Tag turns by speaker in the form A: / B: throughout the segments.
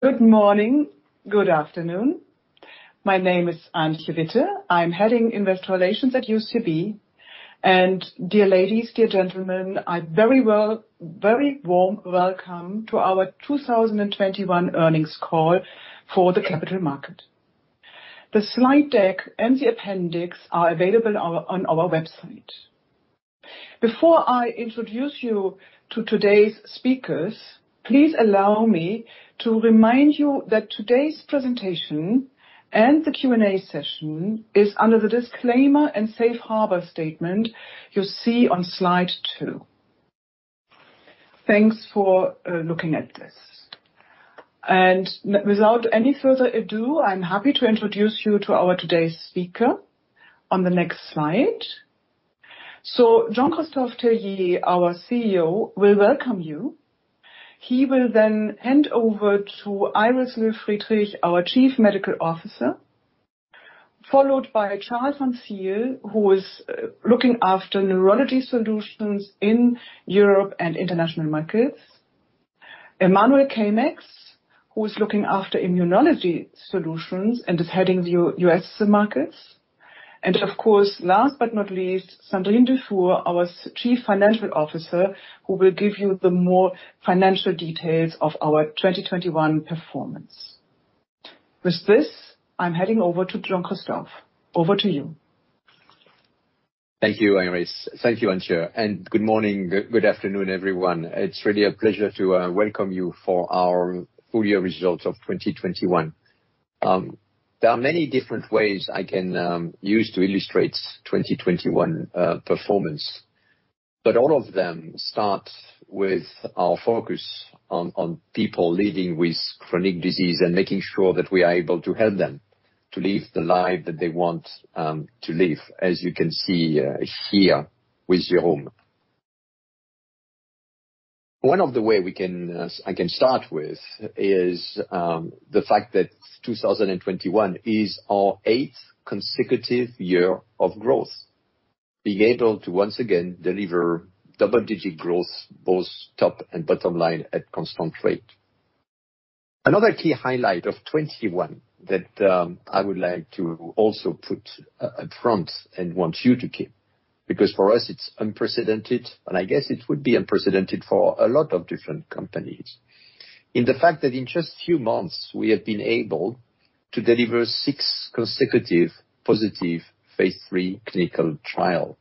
A: Good morning. Good afternoon. My name is Antje Witte. I'm heading Investor Relations at UCB. Dear ladies, dear gentlemen, a very warm welcome to our 2021 earnings call for the capital market. The slide deck and the appendix are available on our website. Before I introduce you to today's speakers, please allow me to remind you that today's presentation and the Q&A session is under the disclaimer and safe harbor statement you see on slide two. Thanks for looking at this. Without any further ado, I'm happy to introduce you to today's speaker on the next slide. Jean-Christophe Tellier, our CEO, will welcome you. He will then hand over to Iris Loew-Friedrich, our Chief Medical Officer, followed by Charl van Zyl, who is looking after neurology solutions in Europe and international markets. Emmanuel Caeymaex, who is looking after Immunology Solutions and is heading the U.S. markets. Of course, last but not least, Sandrine Dufour, our Chief Financial Officer, who will give you the more financial details of our 2021 performance. With this, I'm handing over to Jean-Christophe. Over to you.
B: Thank you, Iris. Thank you, Antje, and good morning, good afternoon, everyone. It's really a pleasure to welcome you for our full year results of 2021. There are many different ways I can use to illustrate 2021 performance, but all of them start with our focus on people living with chronic disease and making sure that we are able to help them to live the life that they want to live, as you can see here with Jerome. One of the way I can start with is the fact that 2021 is our eighth consecutive year of growth. Being able to once again deliver double-digit growth, both top and bottom line at constant rate. Another key highlight of 2021 that I would like to also put up front and want you to keep, because for us it's unprecedented, and I guess it would be unprecedented for a lot of different companies. In fact that in just few months, we have been able to deliver six consecutive positive phase III clinical trial.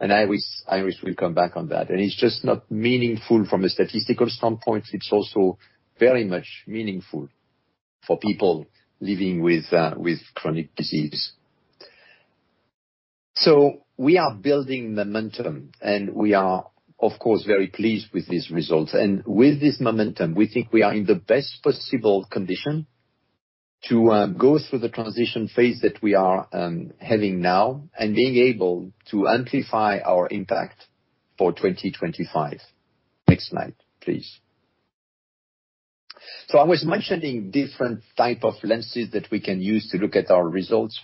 B: Iris will come back on that. It's just not meaningful from a statistical standpoint, it's also very much meaningful for people living with chronic disease. We are building momentum, and we are of course very pleased with these results. With this momentum, we think we are in the best possible condition to go through the transition phase that we are having now, and being able to amplify our impact for 2025. Next slide, please. I was mentioning different type of lenses that we can use to look at our results.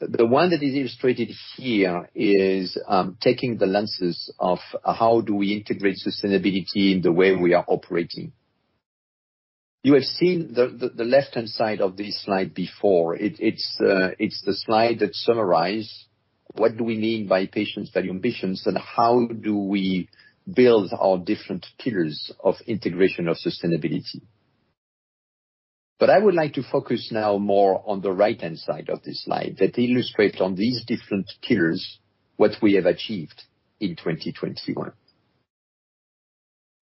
B: The one that is illustrated here is taking the lenses of how do we integrate sustainability in the way we are operating. You have seen the left-hand side of this slide before. It's the slide that summarize what do we mean by patients value ambitions, and how do we build our different pillars of integration of sustainability. I would like to focus now more on the right-hand side of this slide that illustrate on these different pillars what we have achieved in 2021.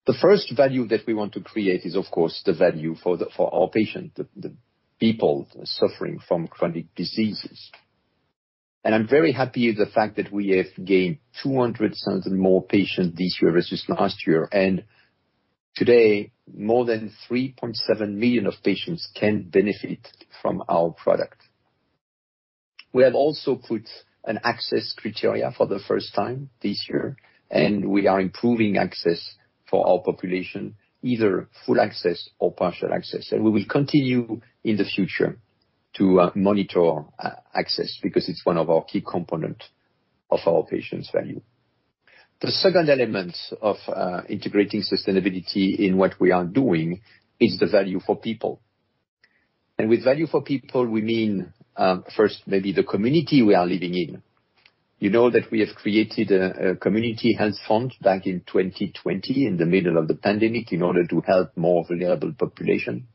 B: The first value that we want to create is of course the value for our patient, the people suffering from chronic diseases. I'm very happy with the fact that we have gained 200,000 more patients this year versus last year, and today, more than 3.7 million patients can benefit from our product. We have also put an access criteria for the first time this year, and we are improving access for our population, either full access or partial access. We will continue in the future to monitor access because it's one of our key component of our patients' value. The second element of integrating sustainability in what we are doing is the value for people. With value for people, we mean first maybe the community we are living in. You know that we have created a community health fund back in 2020 in the middle of the pandemic in order to help more vulnerable population.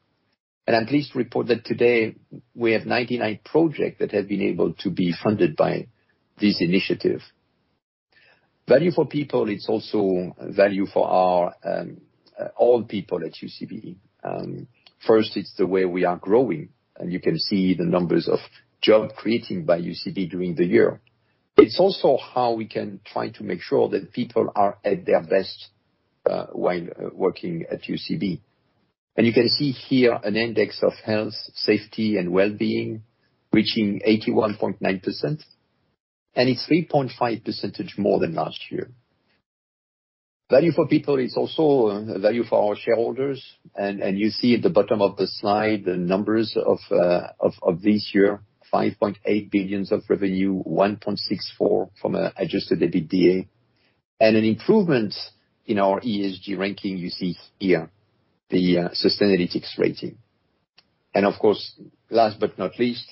B: I'm pleased to report that today we have 99 projects that have been able to be funded by this initiative. Value for people, it's also value for our all people at UCB. First, it's the way we are growing, and you can see the numbers of jobs created by UCB during the year. It's also how we can try to make sure that people are at their best while working at UCB. You can see here an index of health, safety, and well-being reaching 81.9%, and it's 3.5% more than last year. Value for people is also value for our shareholders. You see at the bottom of the slide the numbers of this year, 5.8 billion of revenue, 1.64 from adjusted EBITDA. There is an improvement in our ESG ranking you see here, the Sustainalytics rating. Of course, last but not least,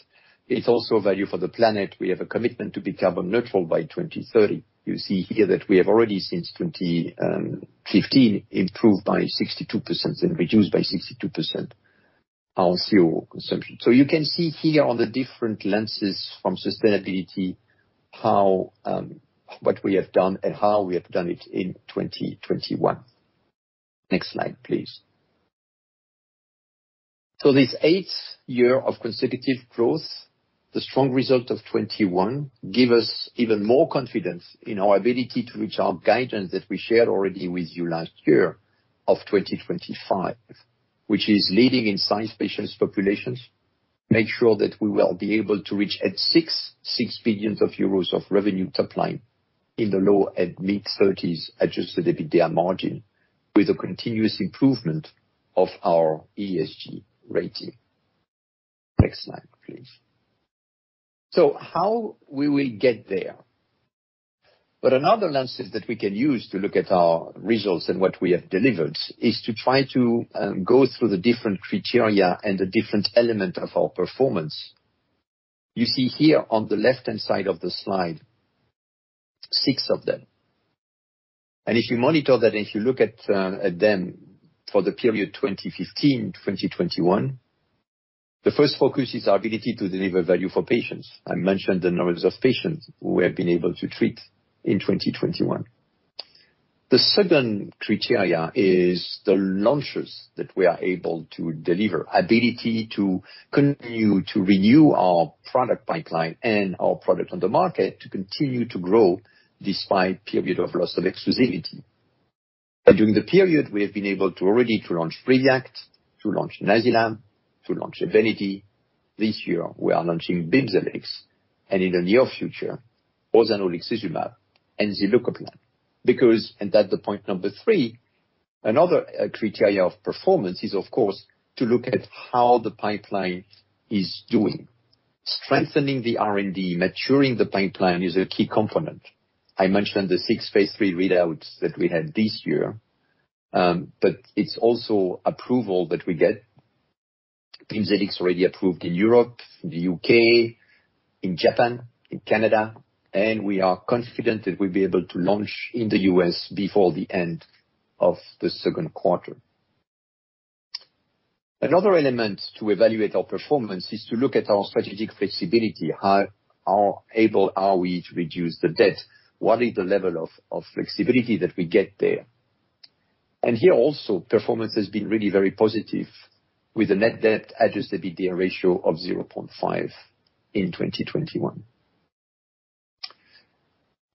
B: it's also value for the planet. We have a commitment to be carbon neutral by 2030. You see here that we have already, since 2015, improved by 62% and reduced by 62% our CO2 consumption. You can see here on the different lenses from sustainability how what we have done and how we have done it in 2021. Next slide, please. This eighth year of consecutive growth, the strong result of 2021 gives us even more confidence in our ability to reach our guidance that we shared already with you last year of 2025, which is leading in science patients populations, make sure that we will be able to reach 6.6 billion euros of revenue top line in the low- and mid-30s adjusted EBITDA margin with a continuous improvement of our ESG rating. Next slide, please. How we will get there. Another lens that we can use to look at our results and what we have delivered is to try to go through the different criteria and the different elements of our performance. You see here on the left-hand side of the slide 6 of them. If you monitor that, if you look at them for the period 2015-2021, the first focus is our ability to deliver value for patients. I mentioned the numbers of patients who we have been able to treat in 2021. The second criteria is the launches that we are able to deliver, ability to continue to renew our product pipeline and our products on the market to continue to grow despite periods of loss of exclusivity. During the period, we have been able to launch Briviact, to launch NAYZILAM, to launch EVENITY. This year we are launching BIMZELX, and in the near future, rozanolixizumab and zilucoplan. Because that is the point number three, another criteria of performance is, of course, to look at how the pipeline is doing. Strengthening the R&D, maturing the pipeline is a key component. I mentioned the six phase III readouts that we had this year, but it's also approval that we get. BIMZELX already approved in Europe, the U.K., in Japan, in Canada, and we are confident that we'll be able to launch in the U.S. before the end of the second quarter. Another element to evaluate our performance is to look at our strategic flexibility. How able are we to reduce the debt? What is the level of flexibility that we get there? Here also, performance has been really very positive with the net debt adjusted EBITDA ratio of 0.5 in 2021.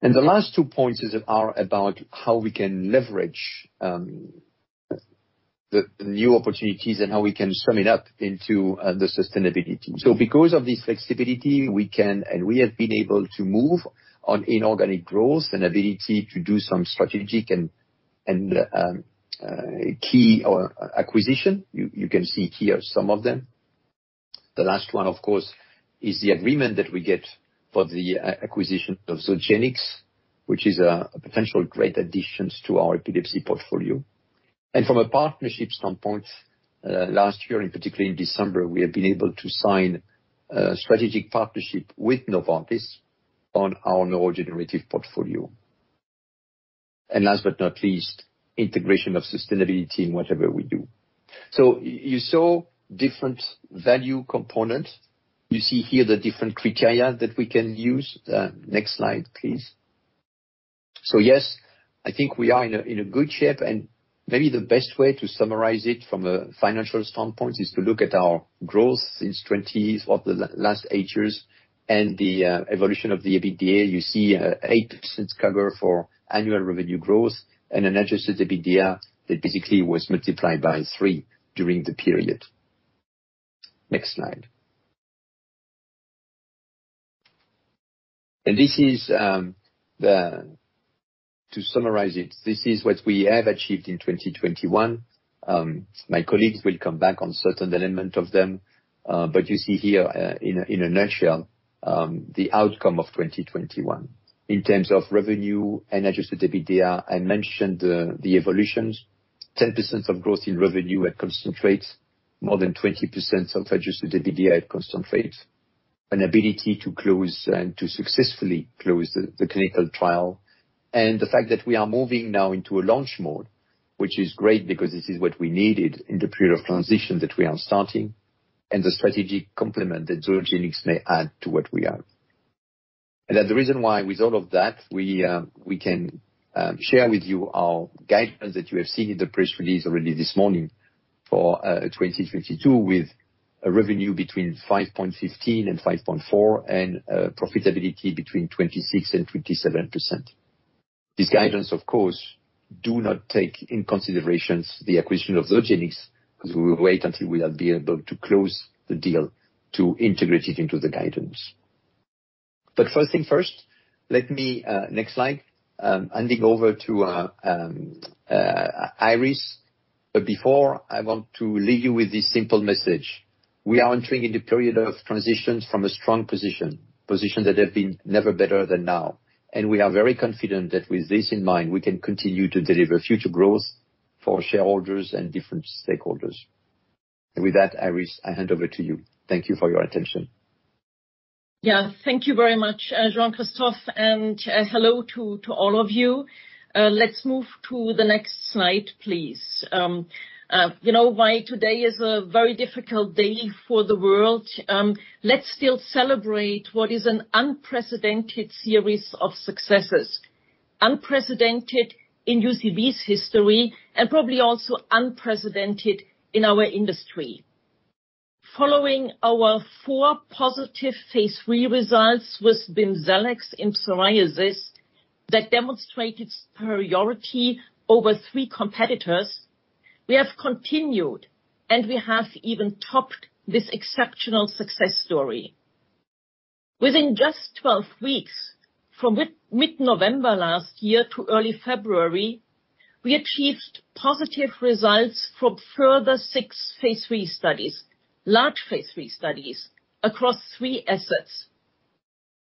B: The last two points are about how we can leverage the new opportunities and how we can sum it up into the sustainability. Because of this flexibility, we can and we have been able to move on inorganic growth and ability to do some strategic and key acquisition. You can see here some of them. The last one, of course, is the agreement that we get for the acquisition of Zogenix, which is a potential great addition to our epilepsy portfolio. From a partnership standpoint, last year, and particularly in December, we have been able to sign a strategic partnership with Novartis on our neurodegenerative portfolio. Last but not least, integration of sustainability in whatever we do. You saw different value components. You see here the different criteria that we can use. Next slide, please. Yes, I think we are in a good shape, and maybe the best way to summarize it from a financial standpoint is to look at our growth since the last eight years and the evolution of the EBITDA. You see an 8% CAGR for annual revenue growth and an adjusted EBITDA that basically was multiplied by three during the period. Next slide. This is what we have achieved in 2021. My colleagues will come back on certain elements of them. You see here in a nutshell the outcome of 2021. In terms of revenue and adjusted EBITDA, I mentioned the evolutions. 10% growth in revenue at CER, more than 20% adjusted EBITDA at CER. An ability to close and successfully close the clinical trial. The fact that we are moving now into a launch mode, which is great because this is what we needed in the period of transition that we are starting, and the strategic complement that Zogenix may add to what we have. That the reason why with all of that, we can share with you our guidance that you have seen in the press release already this morning for 2025 with a revenue between 5.15 billion and 5.4 billion, and a profitability between 26%-27%. This guidance, of course, do not take into consideration the acquisition of Zogenix, because we will wait until we will be able to close the deal to integrate it into the guidance. First things first, let me next slide hand it over to Iris. Before, I want to leave you with this simple message: We are entering into a period of transitions from a strong position that has never been better than now, and we are very confident that with this in mind, we can continue to deliver future growth for shareholders and different stakeholders. With that, Iris, I hand over to you. Thank you for your attention.
C: Yeah. Thank you very much, Jean-Christophe, and hello to all of you. Let's move to the next slide, please. You know why today is a very difficult day for the world. Let's still celebrate what is an unprecedented series of successes. Unprecedented in UCB's history and probably also unprecedented in our industry. Following our four positive phase III results with BIMZELX in psoriasis that demonstrated superiority over three competitors, we have continued, and we have even topped this exceptional success story. Within just 12 weeks, from mid-November last year to early February, we achieved positive results from further six phase III studies, large phase III studies across three assets.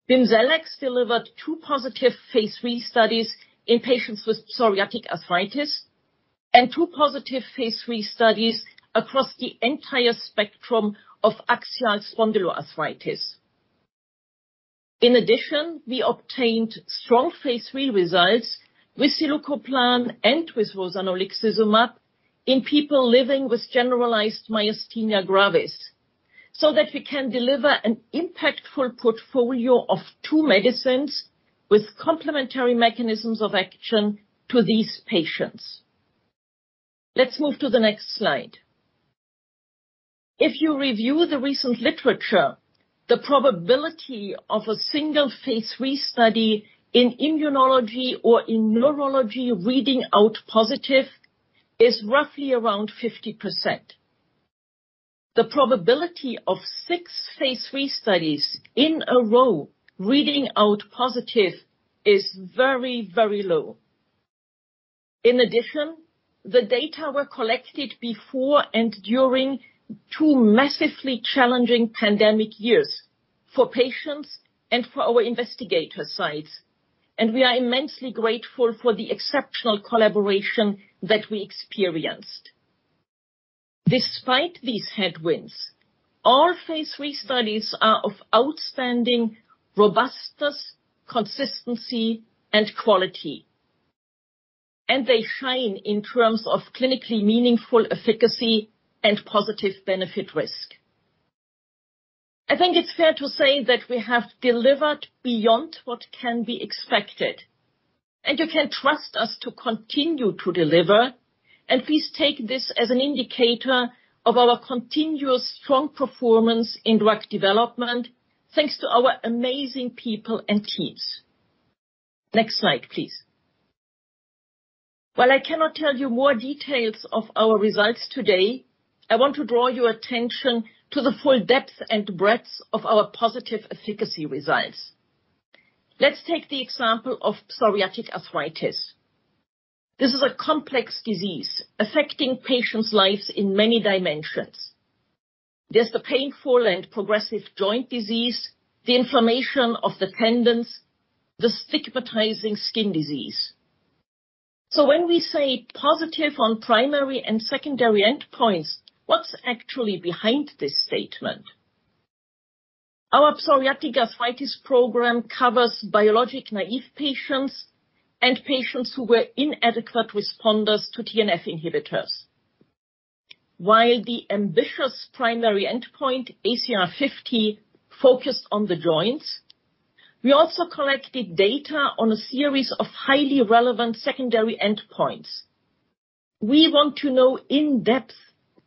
C: BIMZELX delivered two positive phase III studies in patients with psoriatic arthritis and two positive phase III studies across the entire spectrum of axial spondyloarthritis. In addition, we obtained strong phase III results with zilucoplan and with rozanolixizumab in people living with generalized myasthenia gravis, so that we can deliver an impactful portfolio of two medicines with complementary mechanisms of action to these patients. Let's move to the next slide. If you review the recent literature, the probability of a single phase III study in immunology or in neurology reading out positive is roughly around 50%. The probability of six phase III studies in a row reading out positive is very, very low. In addition, the data were collected before and during two massively challenging pandemic years for patients and for our investigator sites, and we are immensely grateful for the exceptional collaboration that we experienced. Despite these headwinds, our phase III studies are of outstanding robustness, consistency, and quality, and they shine in terms of clinically meaningful efficacy and positive benefit risk. I think it's fair to say that we have delivered beyond what can be expected, and you can trust us to continue to deliver. Please take this as an indicator of our continuous strong performance in drug development, thanks to our amazing people and teams. Next slide, please. While I cannot tell you more details of our results today, I want to draw your attention to the full depth and breadth of our positive efficacy results. Let's take the example of psoriatic arthritis. This is a complex disease affecting patients' lives in many dimensions. There's the painful and progressive joint disease, the inflammation of the tendons, the stigmatizing skin disease. So when we say positive on primary and secondary endpoints, what's actually behind this statement? Our psoriatic arthritis program covers biologic-naive patients and patients who were inadequate responders to TNF inhibitors. While the ambitious primary endpoint ACR50 focused on the joints, we also collected data on a series of highly relevant secondary endpoints. We want to know in depth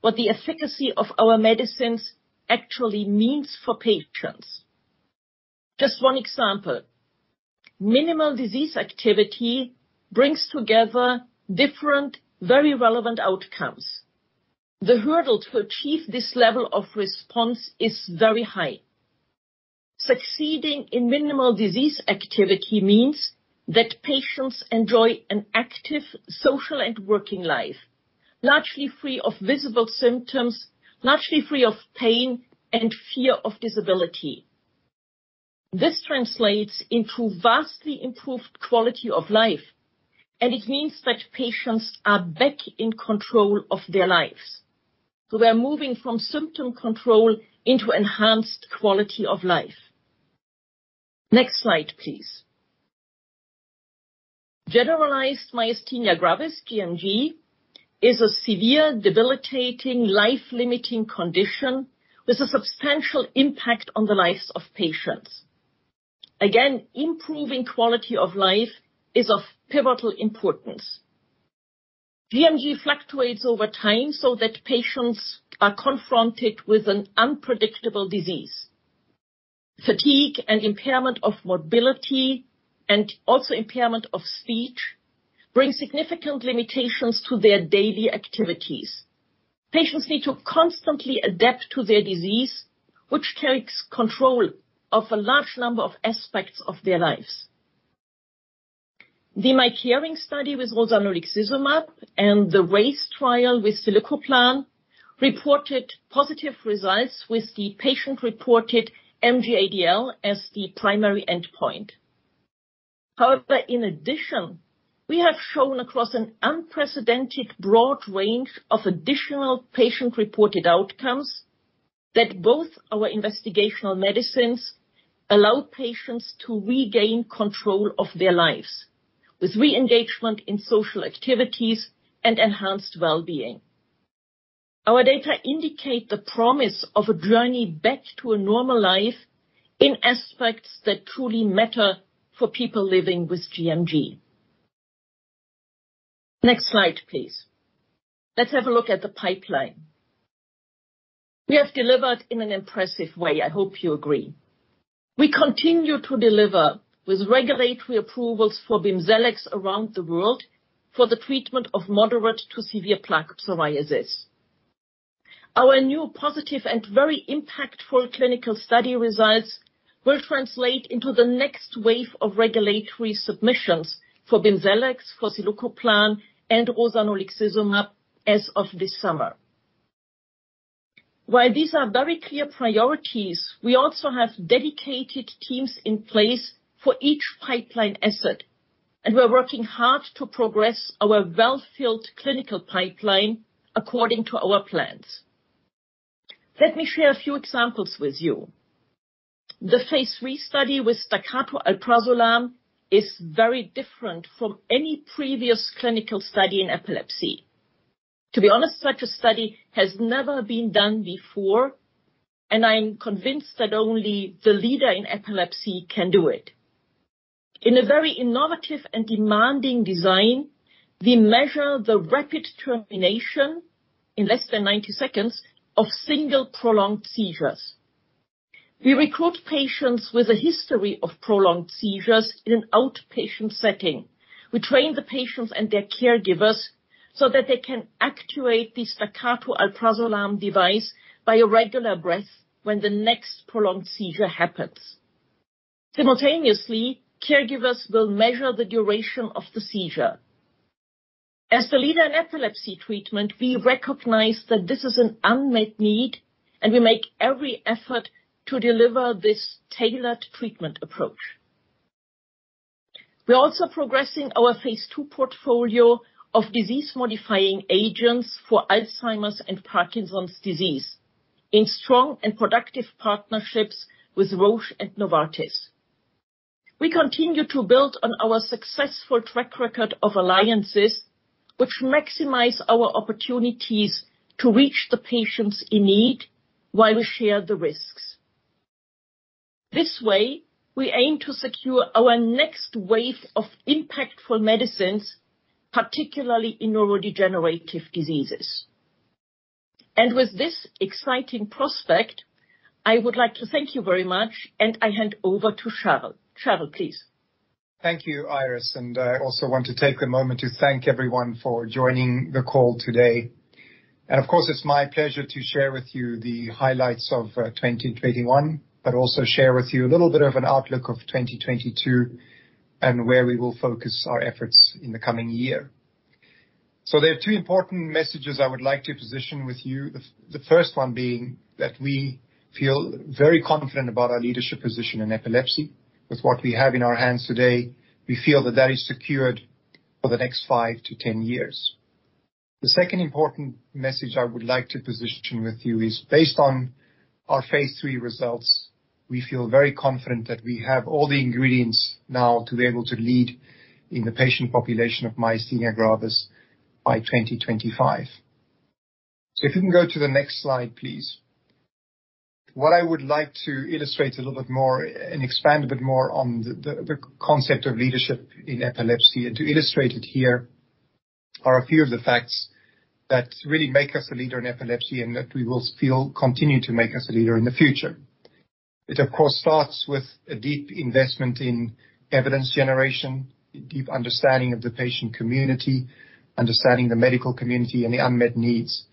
C: what the efficacy of our medicines actually means for patients. Just one example. Minimal disease activity brings together different, very relevant outcomes. The hurdle to achieve this level of response is very high. Succeeding in minimal disease activity means that patients enjoy an active social and working life, largely free of visible symptoms, largely free of pain and fear of disability. This translates into vastly improved quality of life, and it means that patients are back in control of their lives. We are moving from symptom control into enhanced quality of life. Next slide, please. Generalized myasthenia gravis, gMG, is a severe, debilitating, life-limiting condition with a substantial impact on the lives of patients. Again, improving quality of life is of pivotal importance. gMG fluctuates over time so that patients are confronted with an unpredictable disease. Fatigue and impairment of mobility and also impairment of speech bring significant limitations to their daily activities. Patients need to constantly adapt to their disease, which takes control of a large number of aspects of their lives. The MycarinG study with rozanolixizumab and the RAISE trial with zilucoplan reported positive results with the patient-reported MG-ADL as the primary endpoint. However, in addition, we have shown across an unprecedented broad range of additional patient-reported outcomes that both our investigational medicines allow patients to regain control of their lives with re-engagement in social activities and enhanced well-being. Our data indicate the promise of a journey back to a normal life in aspects that truly matter for people living with gMG. Next slide, please. Let's have a look at the pipeline. We have delivered in an impressive way, I hope you agree. We continue to deliver with regulatory approvals for BIMZELX around the world for the treatment of moderate to severe plaque psoriasis. Our new positive and very impactful clinical study results will translate into the next wave of regulatory submissions for BIMZELX, for zilucoplan, and rozanolixizumab as of this summer. While these are very clear priorities, we also have dedicated teams in place for each pipeline asset, and we're working hard to progress our well-filled clinical pipeline according to our plans. Let me share a few examples with you. The phase III study with Staccato alprazolam is very different from any previous clinical study in epilepsy. To be honest, such a study has never been done before, and I am convinced that only the leader in epilepsy can do it. In a very innovative and demanding design, we measure the rapid termination in less than 90 seconds of single prolonged seizures. We recruit patients with a history of prolonged seizures in an outpatient setting. We train the patients and their caregivers so that they can actuate the Staccato alprazolam device by a regular breath when the next prolonged seizure happens. Simultaneously, caregivers will measure the duration of the seizure. As the leader in epilepsy treatment, we recognize that this is an unmet need, and we make every effort to deliver this tailored treatment approach. We're also progressing our phase II portfolio of disease-modifying agents for Alzheimer's and Parkinson's disease in strong and productive partnerships with Roche and Novartis. We continue to build on our successful track record of alliances, which maximize our opportunities to reach the patients in need while we share the risks. This way, we aim to secure our next wave of impactful medicines, particularly in neurodegenerative diseases. With this exciting prospect, I would like to thank you very much, and I hand over to Charl. Charl, please.
D: Thank you, Iris. I also want to take a moment to thank everyone for joining the call today. Of course, it's my pleasure to share with you the highlights of 2021, but also share with you a little bit of an outlook of 2022 and where we will focus our efforts in the coming year. There are two important messages I would like to position with you. The first one being that we feel very confident about our leadership position in epilepsy. With what we have in our hands today, we feel that that is secured for the next five to 10 years. The second important message I would like to position with you is based on our phase III results, we feel very confident that we have all the ingredients now to be able to lead in the patient population of myasthenia gravis by 2025. If you can go to the next slide, please. What I would like to illustrate a little bit more and expand a bit more on the concept of leadership in epilepsy, and to illustrate it here are a few of the facts that really make us a leader in epilepsy and that we will still continue to make us a leader in the future. It of course starts with a deep investment in evidence generation, a deep understanding of the patient community, understanding the medical community and the unmet needs.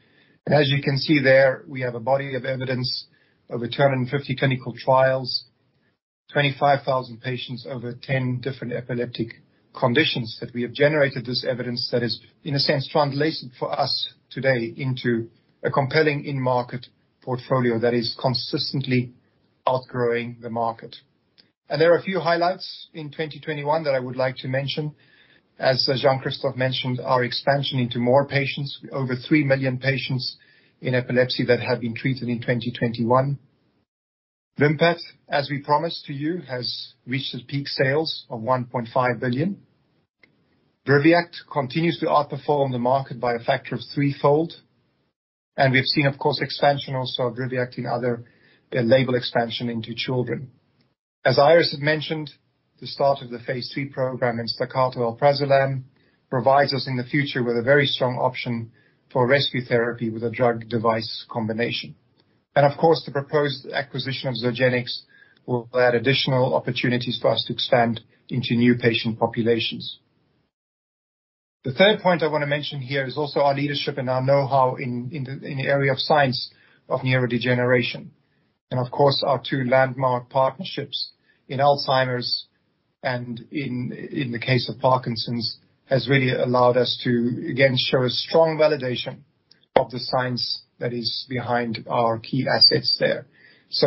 D: As you can see there, we have a body of evidence, over 250 clinical trials, 25,000 patients over 10 different epileptic conditions that we have generated this evidence that is, in a sense, translated for us today into a compelling in-market portfolio that is consistently outgrowing the market. There are a few highlights in 2021 that I would like to mention. As Jean-Christophe mentioned, our expansion into more patients, over three million patients in epilepsy that have been treated in 2021. Vimpat, as we promised to you, has reached its peak sales of 1.5 billion. Briviact continues to outperform the market by a factor of threefold. We've seen, of course, expansion also of Briviact in other label expansion into children. As Iris has mentioned, the start of the phase III program in Staccato alprazolam provides us in the future with a very strong option for rescue therapy with a drug device combination. Of course, the proposed acquisition of Zogenix will add additional opportunities for us to expand into new patient populations. The third point I want to mention here is also our leadership and our know-how in the area of science of neurodegeneration. Of course, our two landmark partnerships in Alzheimer's and in the case of Parkinson's has really allowed us to again show a strong validation of the science that is behind our key assets there.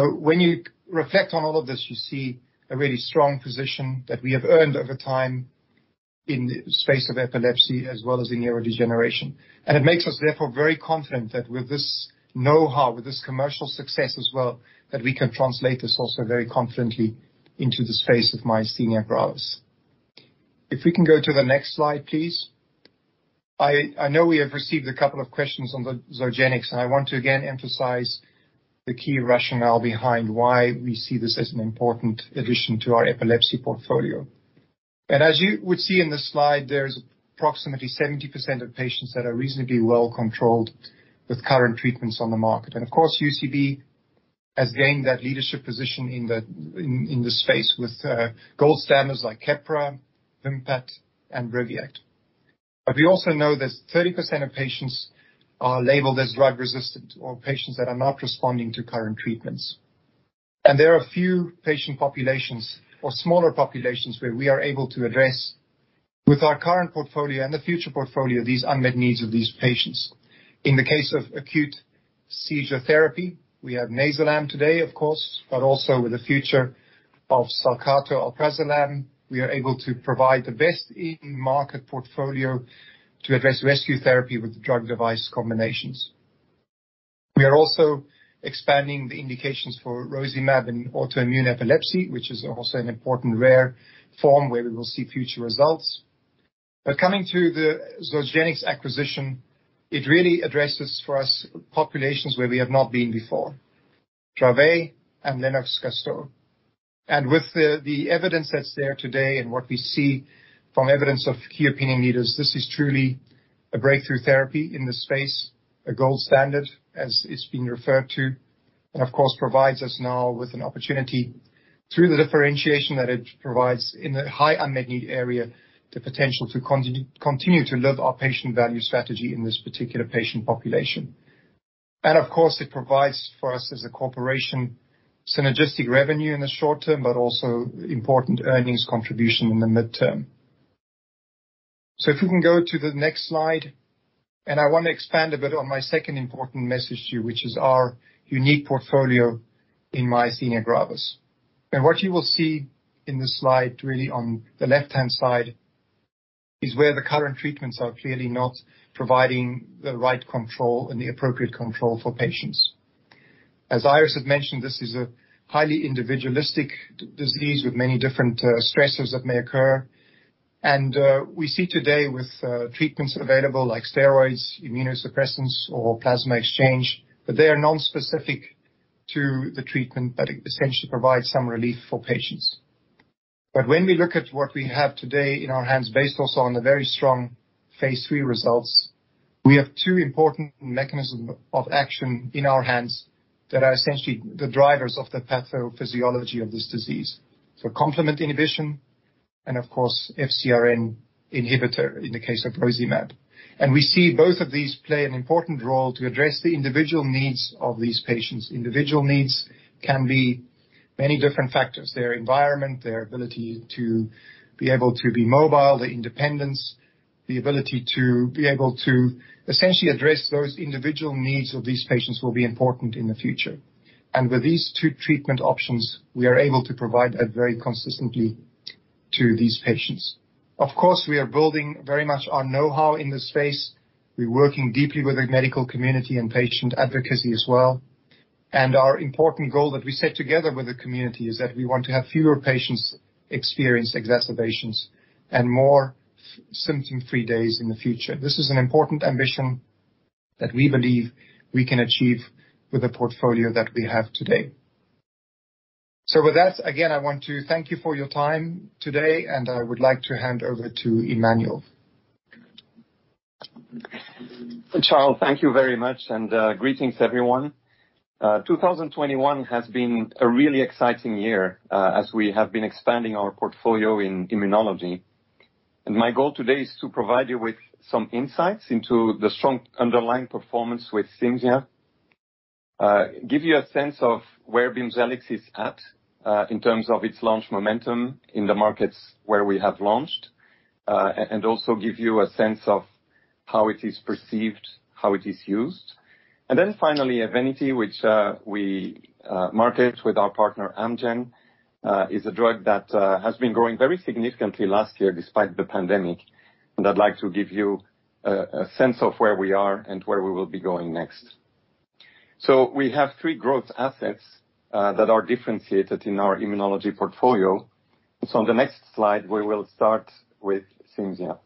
D: When you reflect on all of this, you see a really strong position that we have earned over time in the space of epilepsy as well as in neurodegeneration. It makes us therefore very confident that with this know-how, with this commercial success as well, that we can translate this also very confidently into the space of myasthenia gravis. If we can go to the next slide, please. I know we have received a couple of questions on the Zogenix, and I want to again emphasize the key rationale behind why we see this as an important addition to our epilepsy portfolio. As you would see in the slide, there's approximately 70% of patients that are reasonably well controlled with current treatments on the market. Of course, UCB has gained that leadership position in this space with gold standards like Keppra, Vimpat, and Briviact. But we also know that 30% of patients are labeled as drug-resistant or patients that are not responding to current treatments. There are a few patient populations or smaller populations where we are able to address with our current portfolio and the future portfolio, these unmet needs of these patients. In the case of acute seizure therapy, we have NAYZILAM today, of course, but also with the future of Staccato alprazolam, we are able to provide the best in-market portfolio to address rescue therapy with drug device combinations. We are also expanding the indications for rozanolixizumab in autoimmune epilepsy, which is also an important rare form where we will see future results. Coming to the Zogenix acquisition, it really addresses for us populations where we have not been before, Dravet and Lennox-Gastaut. With the evidence that's there today and what we see from evidence of key opinion leaders, this is truly a breakthrough therapy in this space, a gold standard as it's been referred to, and of course, provides us now with an opportunity through the differentiation that it provides in a high unmet need area, the potential to continue to live our patient value strategy in this particular patient population. Of course, it provides for us as a corporation, synergistic revenue in the short term, but also important earnings contribution in the midterm. If we can go to the next slide, I want to expand a bit on my second important message to you, which is our unique portfolio in myasthenia gravis. What you will see in this slide, really on the left-hand side, is where the current treatments are clearly not providing the right control and the appropriate control for patients. As Iris had mentioned, this is a highly individualistic disease with many different stressors that may occur. We see today with treatments available like steroids, immunosuppressants, or plasma exchange, that they are nonspecific to the treatment, but it essentially provides some relief for patients. When we look at what we have today in our hands, based also on the very strong phase III results, we have two important mechanisms of action in our hands that are essentially the drivers of the pathophysiology of this disease. Complement inhibition and of course FcRn inhibitor in the case of rozanolixizumab. We see both of these play an important role to address the individual needs of these patients. Individual needs can be many different factors, their environment, their ability to be able to be mobile, their independence. The ability to be able to essentially address those individual needs of these patients will be important in the future. With these two treatment options, we are able to provide that very consistently to these patients. Of course, we are building very much our know-how in this space. We're working deeply with the medical community and patient advocacy as well. Our important goal that we set together with the community is that we want to have fewer patients experience exacerbations and more symptom-free days in the future. This is an important ambition that we believe we can achieve with the portfolio that we have today. With that, again, I want to thank you for your time today, and I would like to hand over to Emmanuel.
E: Charl, thank you very much, and greetings, everyone. 2021 has been a really exciting year as we have been expanding our portfolio in immunology. My goal today is to provide you with some insights into the strong underlying performance with CIMZIA, give you a sense of where BIMZELX is at in terms of its launch momentum in the markets where we have launched, and also give you a sense of how it is perceived, how it is used. Then finally, EVENITY, which we market with our partner Amgen, is a drug that has been growing very significantly last year despite the pandemic, and I'd like to give you a sense of where we are and where we will be going next. We have three growth assets that are differentiated in our immunology portfolio. On the next slide, we will start with CIMZIA.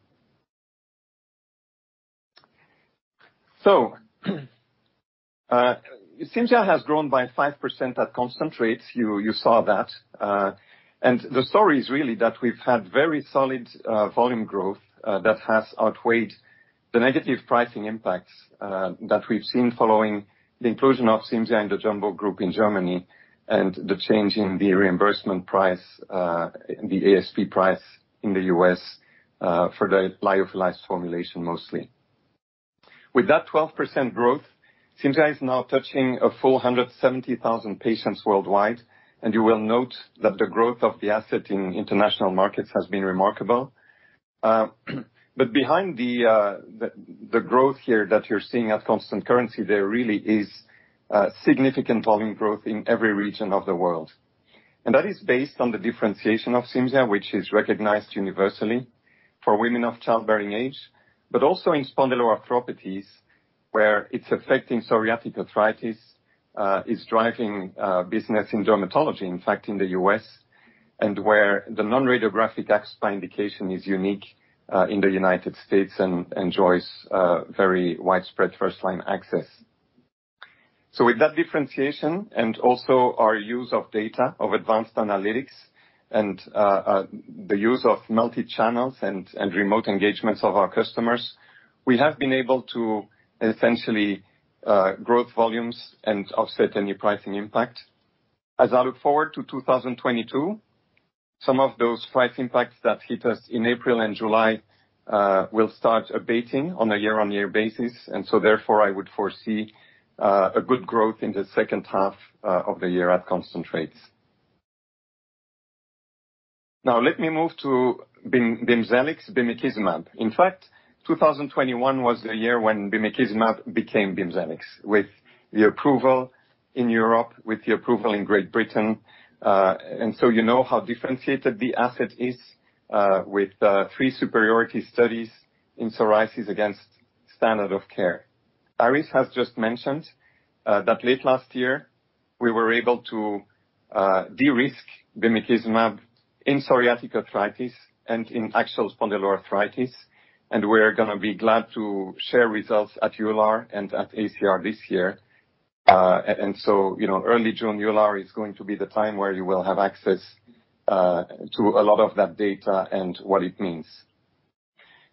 E: CIMZIA has grown by 5% at constant rates. You saw that. The story is really that we've had very solid volume growth that has outweighed the negative pricing impacts that we've seen following the inclusion of CIMZIA in the jumbo group in Germany and the change in the reimbursement price, the ASP price in the U.S., for the lyophilized formulation mostly. With that 12% growth, CIMZIA is now touching a full 170,000 patients worldwide, and you will note that the growth of the asset in international markets has been remarkable. Behind the growth here that you're seeing at constant currency, there really is significant volume growth in every region of the world. That is based on the differentiation of CIMZIA, which is recognized universally for women of childbearing age, but also in spondyloarthropathies, where it's affecting psoriatic arthritis is driving business in dermatology, in fact, in the U.S., and where the non-radiographic axSpA indication is unique in the United States and enjoys very widespread first-line access. With that differentiation and also our use of data, of advanced analytics and the use of multi-channels and remote engagements of our customers, we have been able to essentially grow volumes and offset any pricing impact. As I look forward to 2022, some of those price impacts that hit us in April and July will start abating on a year-on-year basis. Therefore, I would foresee a good growth in the second half of the year at constant rates. Now let me move to BIMZELX, bimekizumab. In fact, 2021 was the year when bimekizumab became BIMZELX, with the approval in Europe, with the approval in Great Britain. You know how differentiated the asset is, with the three superiority studies in psoriasis against standard of care. Iris has just mentioned that late last year, we were able to de-risk bimekizumab in psoriatic arthritis and in axial spondyloarthritis, and we're gonna be glad to share results at EULAR and at ACR this year. You know, early June EULAR is going to be the time where you will have access to a lot of that data and what it means.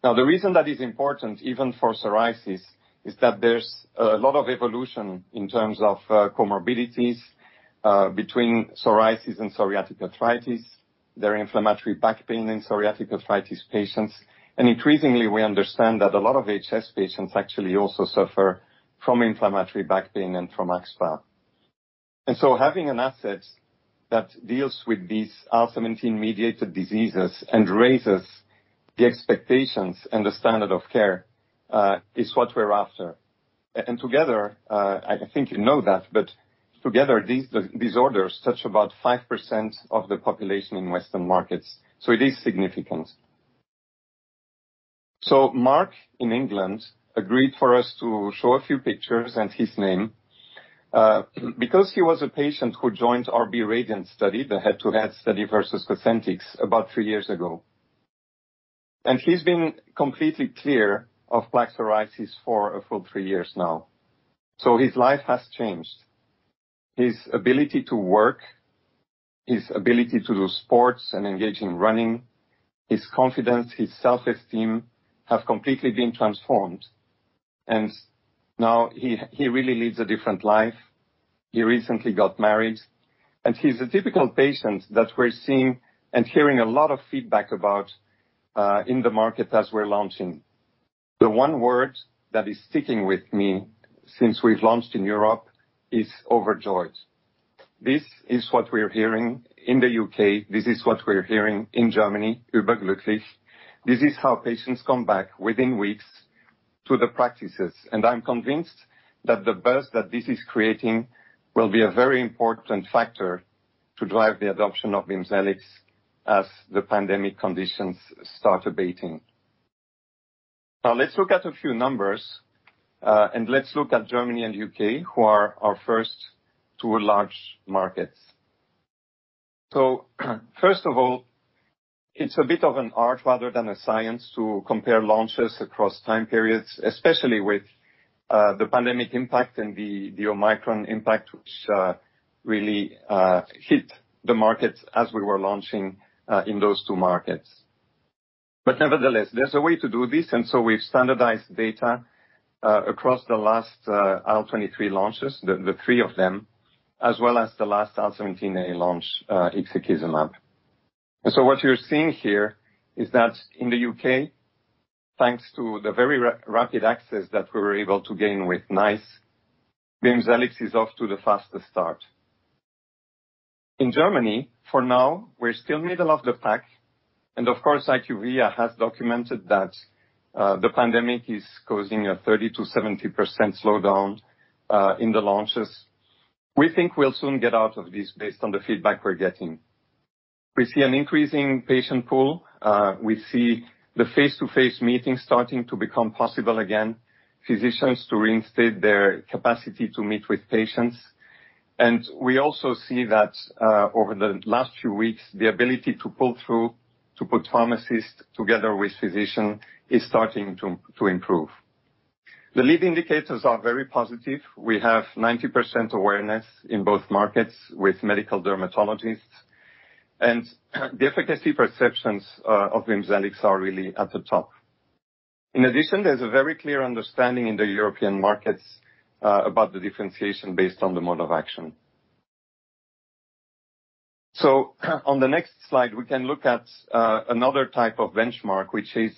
E: Now, the reason that is important, even for psoriasis, is that there's a lot of evolution in terms of comorbidities between psoriasis and psoriatic arthritis. There are inflammatory back pain in psoriatic arthritis patients, and increasingly we understand that a lot of HS patients actually also suffer from inflammatory back pain and from axSpA. Having an asset that deals with these IL-17-mediated diseases and raises the expectations and the standard of care is what we're after. Together I think you know that, but together these disorders touch about 5% of the population in Western markets, so it is significant. Mark in England agreed for us to show a few pictures and his name because he was a patient who joined our BE RADIANT study, the head-to-head study versus Cosentyx about three years ago. He's been completely clear of plaque psoriasis for a full three years now. His life has changed. His ability to work, his ability to do sports and engage in running, his confidence, his self-esteem, have completely been transformed. Now he really leads a different life. He recently got married, and he's a typical patient that we're seeing and hearing a lot of feedback about, in the market as we're launching. The one word that is sticking with me since we've launched in Europe is overjoyed. This is what we're hearing in the U.K. This is what we're hearing in Germany, überglücklich. This is how patients come back within weeks to the practices. I'm convinced that the buzz that this is creating will be a very important factor to drive the adoption of BIMZELX as the pandemic conditions start abating. Now let's look at a few numbers, and let's look at Germany and U.K., who are our first two large markets. First of all, it's a bit of an art rather than a science to compare launches across time periods, especially with the pandemic impact and the Omicron impact, which really hit the markets as we were launching in those two markets. Nevertheless, there's a way to do this, and we've standardized data across the last IL-23 launches, the three of them, as well as the last IL-17A launch, ixekizumab. What you're seeing here is that in the U.K., thanks to the very rapid access that we were able to gain with NICE, BIMZELX is off to the fastest start. In Germany, for now, we're still middle of the pack. Of course, IQVIA has documented that the pandemic is causing a 30%-70% slowdown in the launches. We think we'll soon get out of this based on the feedback we're getting. We see an increasing patient pool. We see the face-to-face meetings starting to become possible again, physicians to reinstate their capacity to meet with patients. We also see that, over the last few weeks, the ability to pull through to put pharmacists together with physicians is starting to improve. The lead indicators are very positive. We have 90% awareness in both markets with medical dermatologists. The efficacy perceptions of BIMZELX are really at the top. In addition, there's a very clear understanding in the European markets about the differentiation based on the mode of action. On the next slide, we can look at another type of benchmark, which is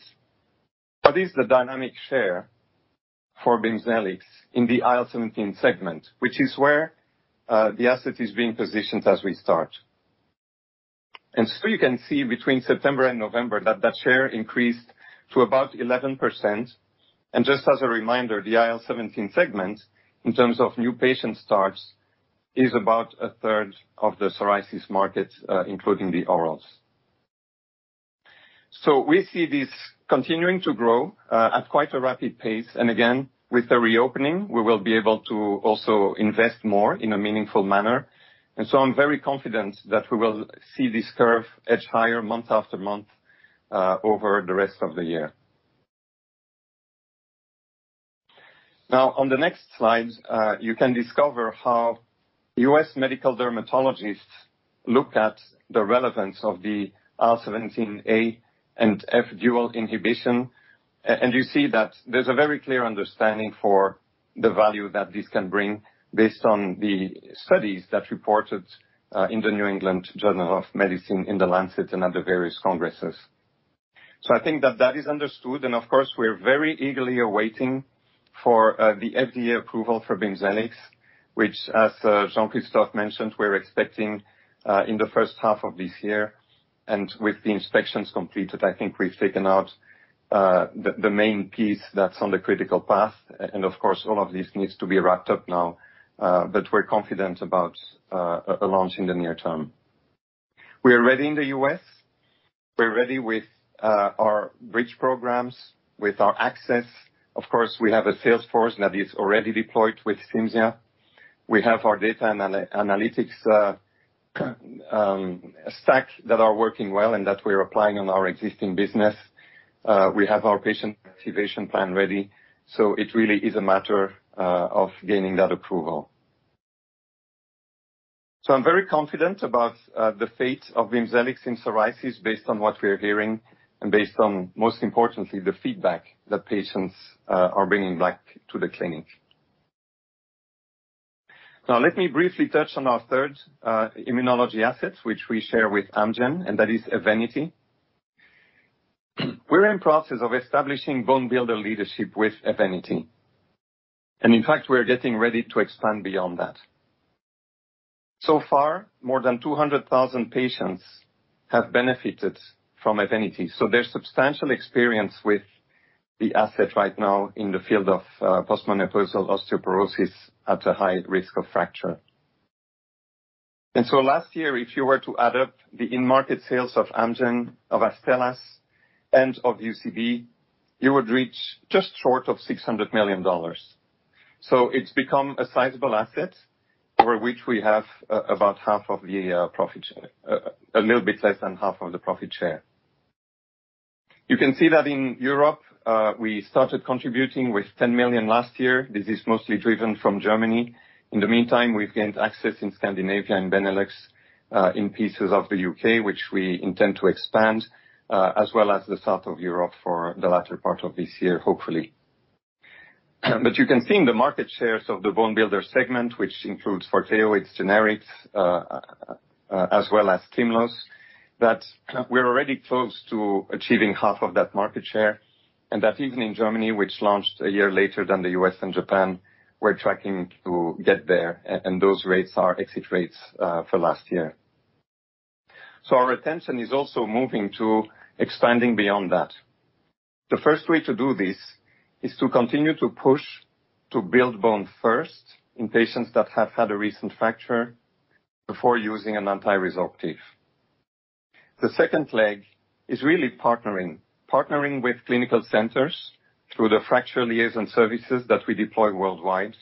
E: what is the dynamic share for BIMZELX in the IL-17 segment, which is where the asset is being positioned as we start. You can see between September and November that that share increased to about 11%. Just as a reminder, the IL-17 segment, in terms of new patient starts, is about 1/3 of the psoriasis market, including the orals. We see this continuing to grow at quite a rapid pace. Again, with the reopening, we will be able to also invest more in a meaningful manner. I'm very confident that we will see this curve edge higher month after month over the rest of the year. Now on the next slide, you can discover how U.S. medical dermatologists look at the relevance of the IL-17A and IL-17F dual inhibition. And you see that there's a very clear understanding for the value that this can bring based on the studies that reported in the New England Journal of Medicine, in The Lancet, and at the various congresses. I think that that is understood, and of course, we're very eagerly awaiting for the FDA approval for BIMZELX, which, as Jean-Christophe mentioned, we're expecting in the first half of this year. With the inspections completed, I think we've taken out the main piece that's on the critical path. Of course, all of this needs to be wrapped up now, but we're confident about a launch in the near term. We are ready in the U.S. We're ready with our bridge programs, with our access. Of course, we have a sales force that is already deployed with CIMZIA. We have our data analytics stack that are working well and that we're applying on our existing business. We have our patient activation plan ready, so it really is a matter of gaining that approval. I'm very confident about the fate of BIMZELX in psoriasis based on what we are hearing and based on, most importantly, the feedback that patients are bringing back to the clinic. Now let me briefly touch on our third immunology asset, which we share with Amgen, and that is EVENITY. We're in the process of establishing bone builder leadership with EVENITY. In fact, we're getting ready to expand beyond that. More than 200,000 patients have benefited from EVENITY, so there's substantial experience with the asset right now in the field of postmenopausal osteoporosis at a high risk of fracture. Last year, if you were to add up the in-market sales of Amgen, of Astellas, and of UCB, you would reach just short of $600 million. It's become a sizable asset for which we have about half of the profit share, a little bit less than half of the profit share. You can see that in Europe, we started contributing with 10 million last year. This is mostly driven from Germany. In the meantime, we've gained access in Scandinavia and Benelux in pieces of the U.K., which we intend to expand, as well as the south of Europe for the latter part of this year, hopefully. You can see in the market shares of the bone builder segment, which includes Forteo, its generics, as well as Tymlos, that we're already close to achieving half of that market share. That even in Germany, which launched a year later than the U.S. and Japan, we're tracking to get there. Those rates are exit rates for last year. Our attention is also moving to expanding beyond that. The first way to do this is to continue to push to build bone first in patients that have had a recent fracture before using an anti-resorptive. The second leg is really partnering. Partnering with clinical centers through the Fracture Liaison Services that we deploy worldwide.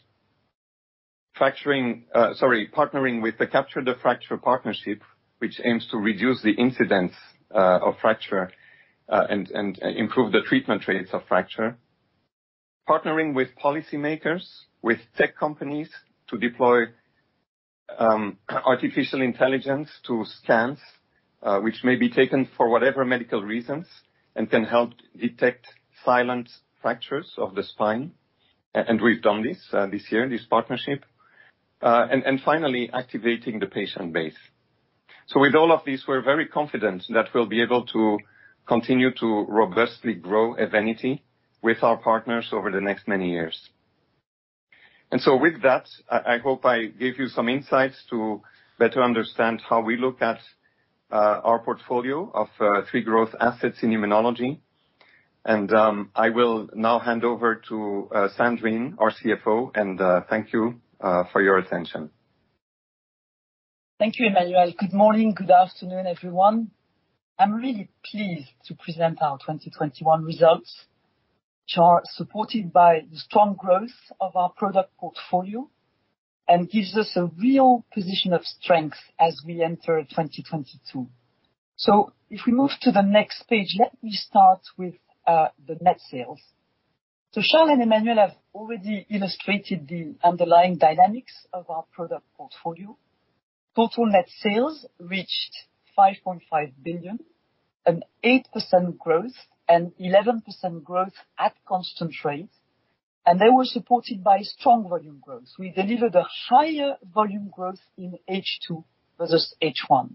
E: Partnering with the Capture the Fracture partnership, which aims to reduce the incidence of fracture and improve the treatment rates of fracture. Partnering with policymakers, with tech companies to deploy artificial intelligence to scans, which may be taken for whatever medical reasons and can help detect silent fractures of the spine. We've done this this year, this partnership. Finally activating the patient base. With all of these, we're very confident that we'll be able to continue to robustly grow EVENITY with our partners over the next many years. With that, I hope I gave you some insights to better understand how we look at our portfolio of three growth assets in immunology. I will now hand over to Sandrine, our CFO, and thank you for your attention.
F: Thank you, Emmanuel. Good morning, good afternoon, everyone. I'm really pleased to present our 2021 results, which are supported by the strong growth of our product portfolio and gives us a real position of strength as we enter 2022. If we move to the next page, let me start with the net sales. Charl and Emmanuel have already illustrated the underlying dynamics of our product portfolio. Total net sales reached 5.5 billion, an 8% growth and 11% growth at constant rate. They were supported by strong volume growth. We delivered a higher volume growth in H2 versus H1.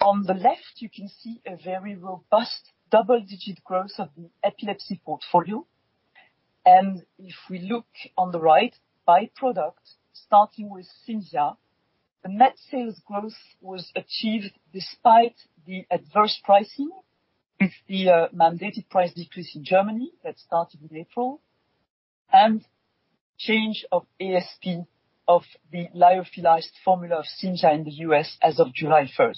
F: On the left, you can see a very robust double-digit growth of the epilepsy portfolio. If we look on the right by product, starting with FINTEPLA, the net sales growth was achieved despite the adverse pricing with the mandated price decrease in Germany that started in April, and change of ASP of the lyophilized formula of FINTEPLA in the U.S. as of July 1.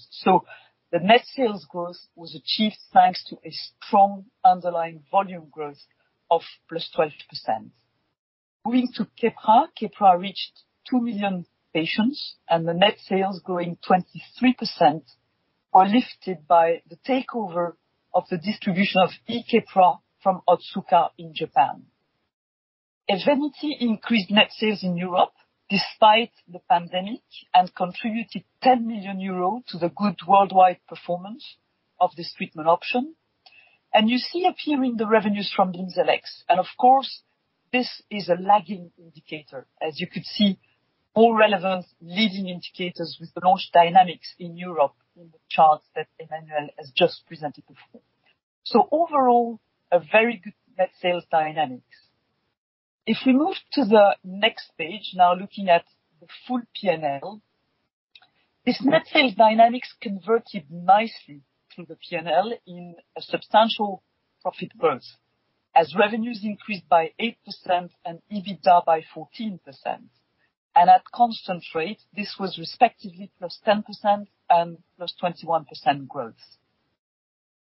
F: The net sales growth was achieved thanks to a strong underlying volume growth of +12%. Moving to Keppra. Keppra reached two million patients, and the net sales growing 23% are lifted by the takeover of the distribution of E-Keppra from Otsuka in Japan. EVENITY increased net sales in Europe despite the pandemic and contributed 10 million euros to the good worldwide performance of this treatment option. You see appearing the revenues from BIMZELX. Of course, this is a lagging indicator. As you could see, all relevant leading indicators with the launch dynamics in Europe in the charts that Emmanuel has just presented before. Overall, a very good net sales dynamics. If we move to the next page, now looking at the full P&L, this net sales dynamics converted nicely to the P&L in a substantial profit growth. Revenues increased by 8% and EBITDA by 14%. At constant rate, this was respectively +10% and +21% growth.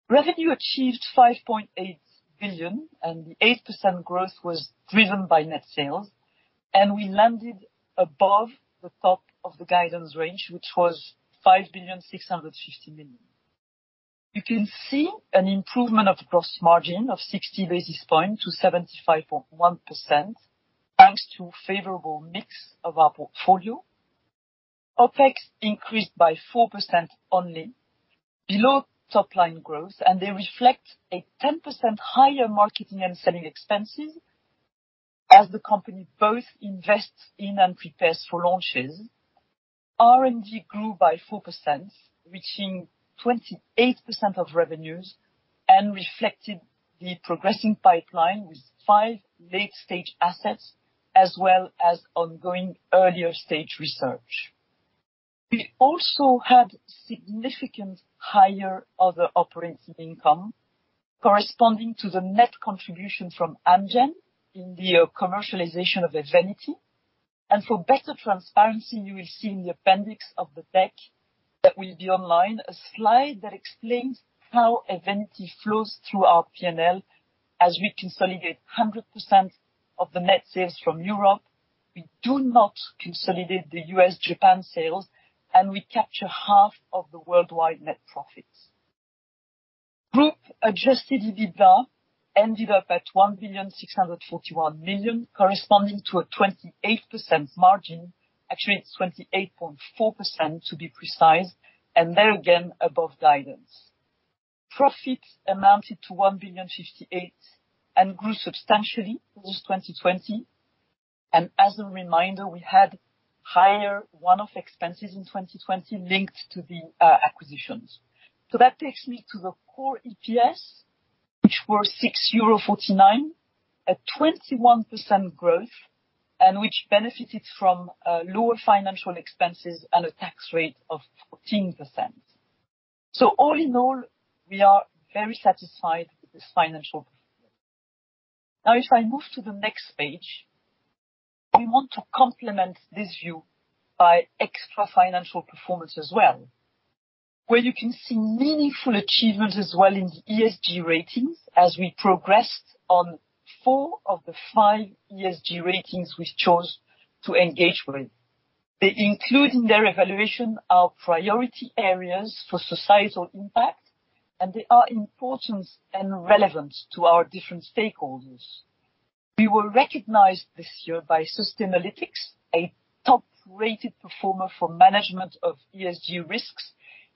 F: Revenue achieved 5.8 billion, and the 8% growth was driven by net sales. We landed above the top of the guidance range, which was 5.65 billion. You can see an improvement of the gross margin of 60 basis points to 75.1%, thanks to favorable mix of our portfolio. OpEx increased by 4% only, below top line growth, and they reflect a 10% higher marketing and selling expenses as the company both invests in and prepares for launches. R&D grew by 4%, reaching 28% of revenues and reflected the progressing pipeline with five late-stage assets as well as ongoing earlier stage research. We also had significant higher other operating income corresponding to the net contribution from Amgen in the commercialization of EVENITY. For better transparency, you will see in the appendix of the deck that will be online, a slide that explains how EVENITY flows through our P&L as we consolidate 100% of the net sales from Europe. We do not consolidate the U.S., Japan sales, and we capture half of the worldwide net profits. Group adjusted EBITDA ended up at 1,641 million, corresponding to a 28% margin. Actually, it's 28.4% to be precise, and there again, above guidance. Profit amounted to 1,058 million and grew substantially post-2020. As a reminder, we had higher one-off expenses in 2020 linked to the acquisitions. That takes me to the core EPS, which was EUR 6.49, a 21% growth, and which benefited from lower financial expenses and a tax rate of 14%. All in all, we are very satisfied with this financial year. Now, if I move to the next page, we want to complement this view by non-financial performance as well, where you can see meaningful achievements as well in the ESG ratings as we progressed on four of the five ESG ratings we chose to engage with. They include in their evaluation our priority areas for societal impact, and they are important and relevant to our different stakeholders. We were recognized this year by Sustainalytics, a top-rated performer for management of ESG risks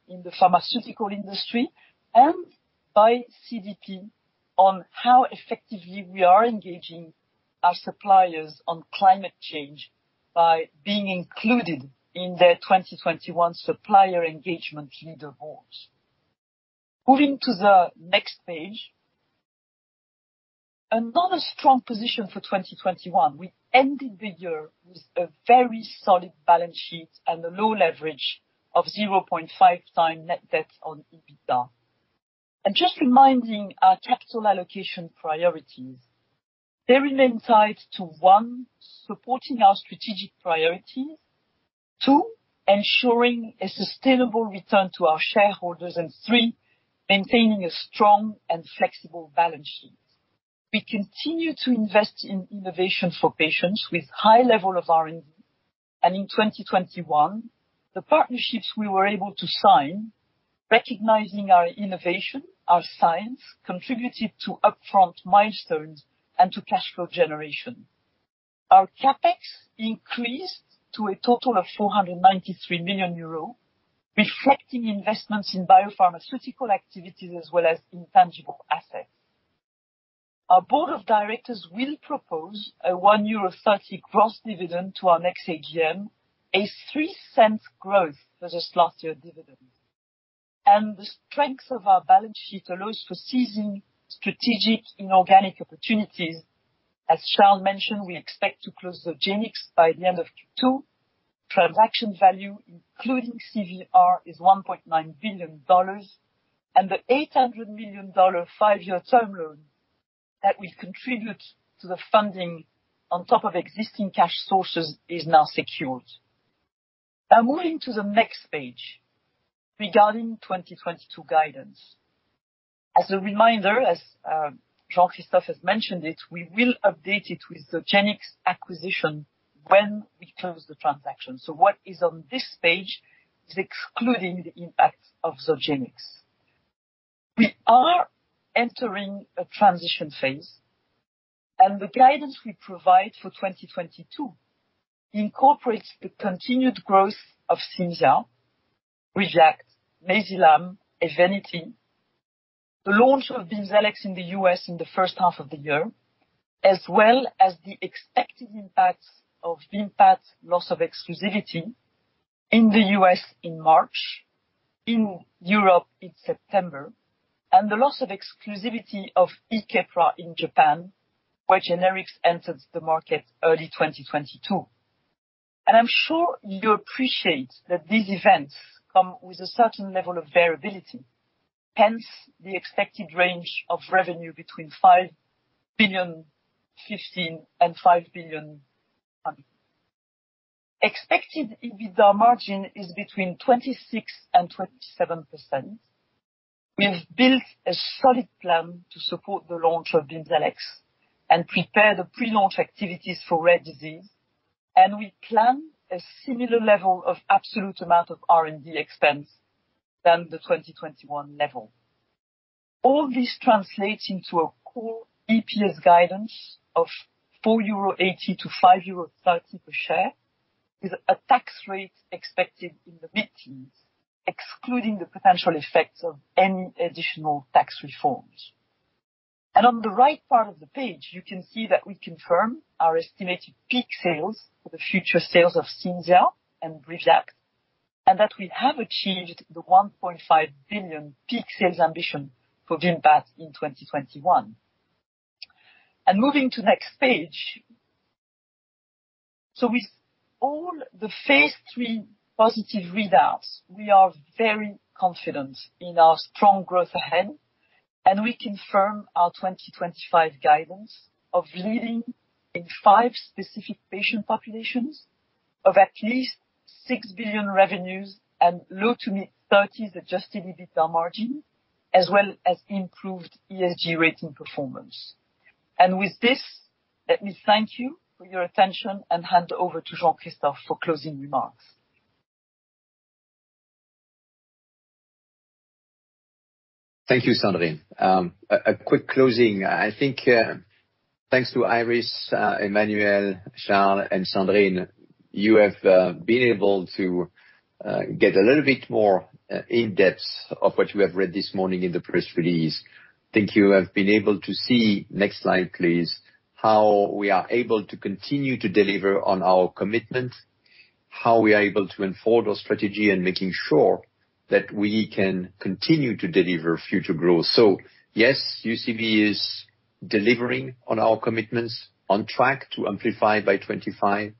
F: in the pharmaceutical industry, and by CDP on how effectively we are engaging our suppliers on climate change by being included in their 2021 supplier engagement leaderboards. Moving to the next page. Another strong position for 2021. We ended the year with a very solid balance sheet and a low leverage of 0.5 times net debt on EBITDA. Just reminding our capital allocation priorities. They remain tied to, one, supporting our strategic priorities. Two, ensuring a sustainable return to our shareholders. Three, maintaining a strong and flexible balance sheet. We continue to invest in innovation for patients with high level of R&D. In 2021, the partnerships we were able to sign, recognizing our innovation, our science, contributed to upfront milestones and to cash flow generation. Our CapEx increased to a total of 493 million euro, reflecting investments in biopharmaceutical activities as well as intangible assets. Our board of directors will propose a 1.30 euro gross dividend to our next AGM, a three cent growth for this last year dividend. The strength of our balance sheet allows for seizing strategic inorganic opportunities. As Charles mentioned, we expect to close the Zogenix by the end of Q2. Transaction value, including CVR, is $1.9 billion. The $800 million five-year term loan that will contribute to the funding on top of existing cash sources is now secured. Now moving to the next page regarding 2022 guidance. As a reminder, Jean-Christophe has mentioned it, we will update it with the Zogenix acquisition when we close the transaction. What is on this page is excluding the impact of the Zogenix. We are entering a transition phase, and the guidance we provide for 2022 incorporates the continued growth of CIMZIA, Briviact, NAYZILAM, EVENITY, the launch of BIMZELX in the U.S. in the first half of the year, as well as the expected impact of Vimpat loss of exclusivity in the U.S. in March, in Europe in September, and the loss of exclusivity of EKeppra in Japan, where generics entered the market early 2022. I'm sure you appreciate that these events come with a certain level of variability, hence the expected range of revenue between 5.15 billion and 5.2 billion. Expected EBITDA margin is between 26% and 27%. We have built a solid plan to support the launch of BIMZELX and prepare the pre-launch activities for rare disease, and we plan a similar level of absolute amount of R&D expense than the 2021 level. All this translates into a core EPS guidance of 4.80-5.30 euro per share, with a tax rate expected in the mid-teens%, excluding the potential effects of any additional tax reforms. On the right part of the page, you can see that we confirm our estimated peak sales for the future sales of Cimzia and Briviact, and that we have achieved the 1.5 billion peak sales ambition for Vimpat in 2021. Moving to next page. With all the phase III positive readouts, we are very confident in our strong growth ahead, and we confirm our 2025 guidance of leading in five specific patient populations of at least 6 billion revenues and low- to mid-30s% adjusted EBITDA margin, as well as improved ESG rating performance. With this, let me thank you for your attention and hand over to Jean-Christophe for closing remarks.
B: Thank you, Sandrine. A quick closing. I think, thanks to Iris, Emmanuel, Charl, and Sandrine, you have been able to get a little bit more in depth of what you have read this morning in the press release. I think you have been able to see, next slide please, how we are able to continue to deliver on our commitment, how we are able to unfold our strategy and making sure that we can continue to deliver future growth. Yes, UCB is delivering on our commitments on track to Amplify by 2025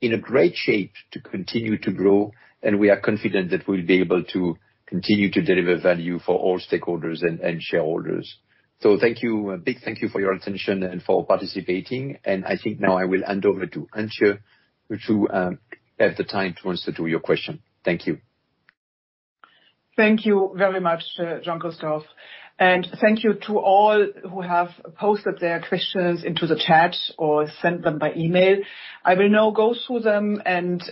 B: in a great shape to continue to grow. We are confident that we'll be able to continue to deliver value for all stakeholders and shareholders. Thank you. A big thank you for your attention and for participating. I think now I will hand over to Antje to have the time to answer to your question. Thank you.
A: Thank you very much, Jean-Christophe. Thank you to all who have posted their questions into the chat or sent them by email. I will now go through them and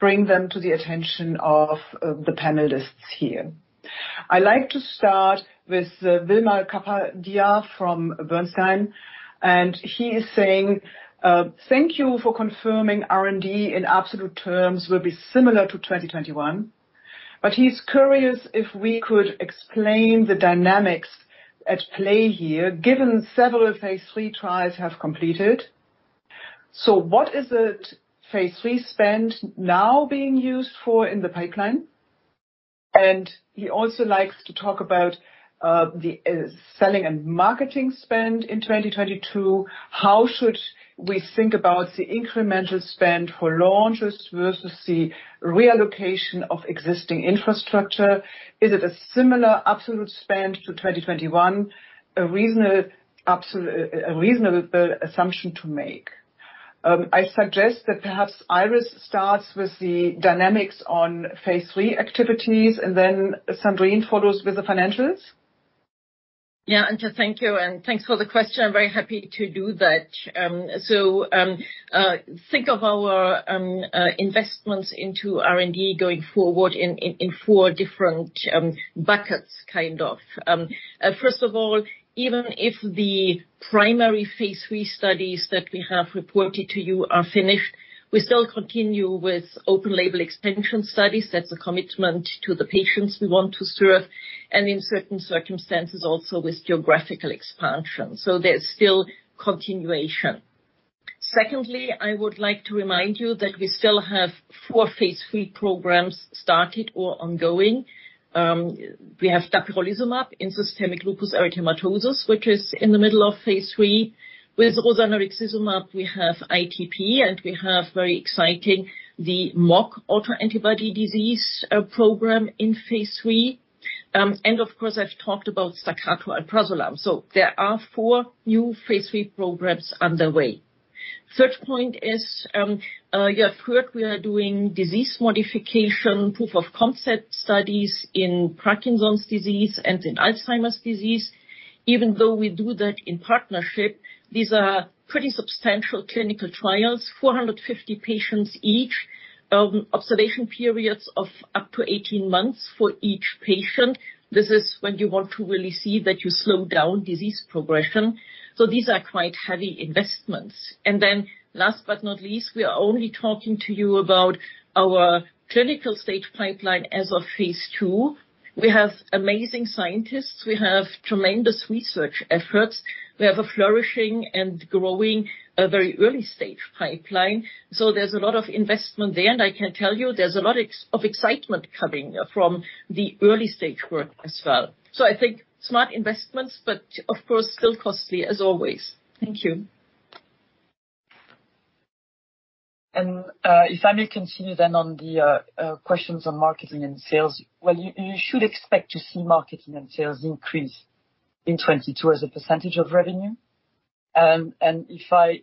A: bring them to the attention of the panelists here. I'd like to start with Wimal Kapadia from Bernstein, and he is saying, "Thank you for confirming R&D in absolute terms will be similar to 2021." He's curious if we could explain the dynamics at play here, given several phase III trials have completed. What is the phase III spend now being used for in the pipeline? He also likes to talk about the selling and marketing spend in 2022. How should we think about the incremental spend for launches versus the reallocation of existing infrastructure? Is it a similar absolute spend to 2021, a reasonable absolute a reasonable assumption to make? I suggest that perhaps Iris starts with the dynamics on phase III activities, and then Sandrine follows with the financials.
C: Yeah. Antje, thank you. Thanks for the question. I'm very happy to do that. So, think of our investments into R&D going forward in four different buckets, kind of. First of all, even if the primary phase III studies that we have reported to you are finished, we still continue with open label expansion studies. That's a commitment to the patients we want to serve, and in certain circumstances, also with geographical expansion. There's still continuation. Secondly, I would like to remind you that we still have four phase III programs started or ongoing. We have dapirolizumab in systemic lupus erythematosus, which is in the middle of phase III. With rozanolixizumab, we have ITP, and we have very exciting, the MOG antibody disease program in phase III. Of course, I've talked about Staccato alprazolam. There are four new phase III programs underway. Third point is, you have heard we are doing disease modification, proof of concept studies in Parkinson's disease and in Alzheimer's disease. Even though we do that in partnership, these are pretty substantial clinical trials, 450 patients each. Observation periods of up to 18 months for each patient. This is when you want to really see that you slow down disease progression. These are quite heavy investments. Then last but not least, we are only talking to you about our clinical stage pipeline as of phase II. We have amazing scientists. We have tremendous research efforts. We have a flourishing and growing, very early-stage pipeline. There's a lot of investment there, and I can tell you there's a lot of excitement coming from the early stage work as well. I think smart investments, but of course, still costly as always. Thank you.
F: If I may continue then on the questions on marketing and sales. Well, you should expect to see marketing and sales increase in 2022 as a percentage of revenue. If I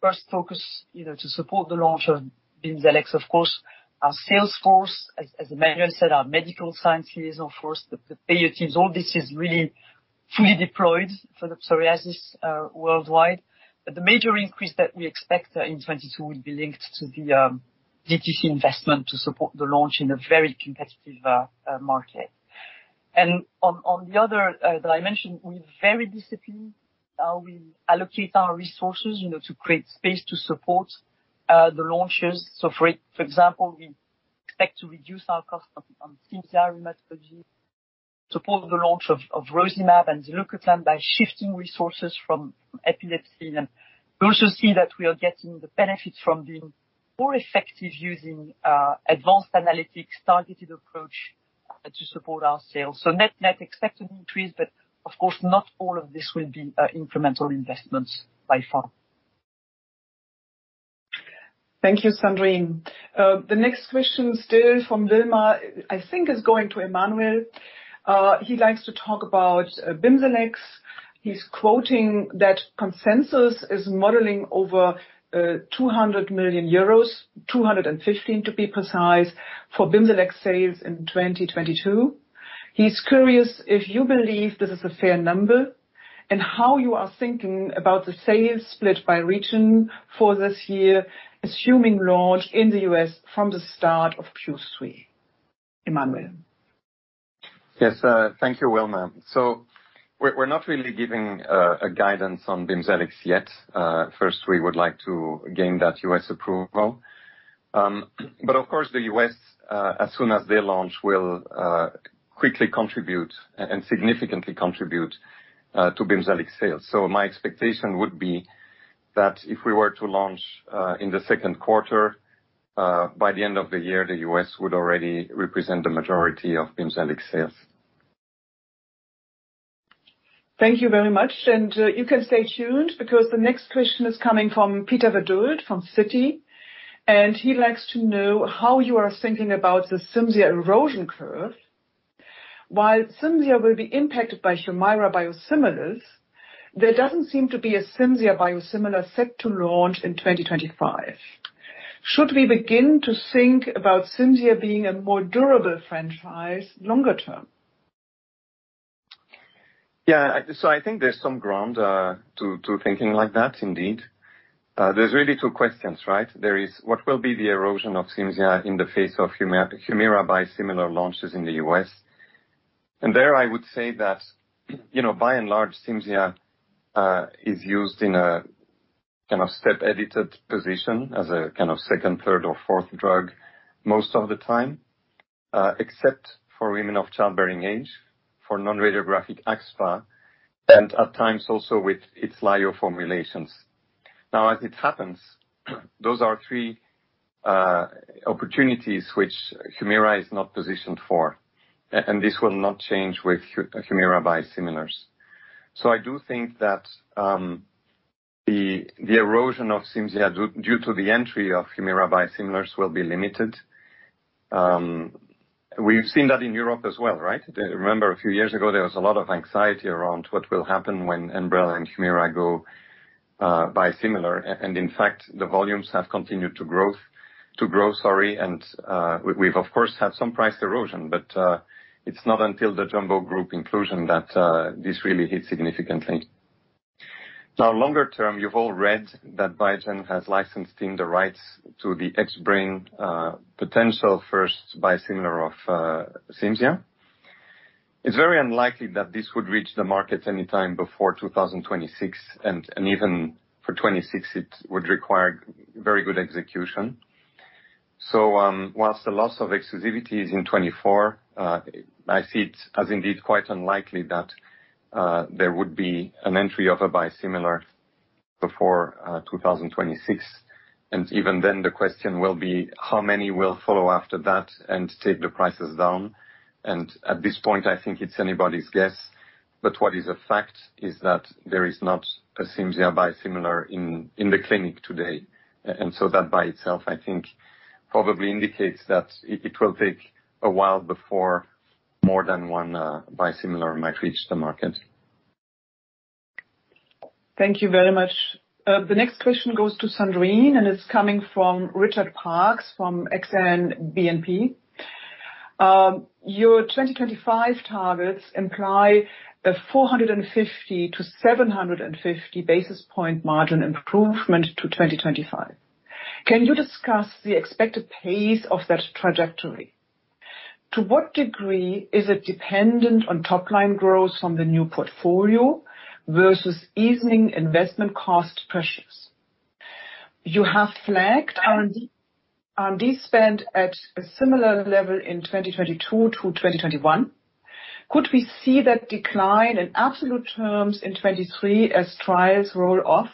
F: first focus, you know, to support the launch of BIMZELX, of course, our sales force, as Emmanuel said, our medical scientists, of course, the payer teams, all this is really fully deployed for the psoriasis worldwide. The major increase that we expect in 2022 will be linked to the DTC investment to support the launch in a very competitive market. On the other dimension, we're very disciplined how we allocate our resources, you know, to create space to support the launches. For example, we expect to reduce our cost on CIMZIA Rheumatology, support the launch of rozanolixizumab and zilucoplan by shifting resources from epilepsy. You also see that we are getting the benefits from being more effective using advanced analytics, targeted approach to support our sales. Net, we expect an increase, but of course, not all of this will be incremental investments by far.
A: Thank you, Sandrine. The next question still from Wimal, I think is going to Emmanuel. He likes to talk about BIMZELX. He's quoting that consensus is modeling over 200 million euros, 215 million to be precise, for BIMZELX sales in 2022. He's curious if you believe this is a fair number and how you are thinking about the sales split by region for this year, assuming launch in the U.S. from the start of Q3. Emmanuel.
E: Yes, thank you, Wimal. We're not really giving a guidance on BIMZELX yet. First, we would like to gain that U.S. approval. Of course, the U.S., as soon as they launch, will quickly contribute and significantly contribute to BIMZELX sales. My expectation would be that if we were to launch in the second quarter, by the end of the year, the U.S. would already represent the majority of BIMZELX sales.
A: Thank you very much. You can stay tuned because the next question is coming from Peter Verdult from Citi, and he likes to know how you are thinking about the CIMZIA erosion curve. While CIMZIA will be impacted by Humira biosimilars, there doesn't seem to be a CIMZIA biosimilar set to launch in 2025. Should we begin to think about CIMZIA being a more durable franchise longer term?
E: Yeah. I think there's some ground to thinking like that indeed. There's really two questions, right? There is what will be the erosion of CIMZIA in the face of Humira biosimilar launches in the U.S. There, I would say that, you know, by and large, CIMZIA is used in a kind of step-edit position as a kind of second, third or fourth drug most of the time, except for women of childbearing age, for non-radiographic axSpA, and at times also with its bio formulations. Now, as it happens, those are three opportunities which Humira is not positioned for, and this will not change with Humira biosimilars. I do think that the erosion of CIMZIA due to the entry of Humira biosimilars will be limited. We've seen that in Europe as well, right? Remember a few years ago, there was a lot of anxiety around what will happen when Enbrel and Humira go biosimilar, and in fact, the volumes have continued to grow. We've of course had some price erosion, but it's not until the jumbo group inclusion that this really hits significantly. Now, longer term, you've all read that Biogen has licensed the rights to the Xbrane potential first biosimilar of CIMZIA. It's very unlikely that this would reach the market anytime before 2026, and even for 2026, it would require very good execution. Whilst the loss of exclusivity is in 2024, I see it as indeed quite unlikely that there would be an entry of a biosimilar before 2026. Even then, the question will be how many will follow after that and take the prices down. At this point, I think it's anybody's guess. What is a fact is that there is not a CIMZIA biosimilar in the clinic today. That by itself, I think, probably indicates that it will take a while before more than one biosimilar might reach the market.
A: Thank you very much. The next question goes to Sandrine, and it's coming from Richard Parkes from Exane BNP. Your 2025 targets imply a 450-750 basis point margin improvement to 2025. Can you discuss the expected pace of that trajectory? To what degree is it dependent on top-line growth from the new portfolio versus easing investment cost pressures? You have flagged R&D spend at a similar level in 2022 to 2021. Could we see that decline in absolute terms in 2023 as trials roll off?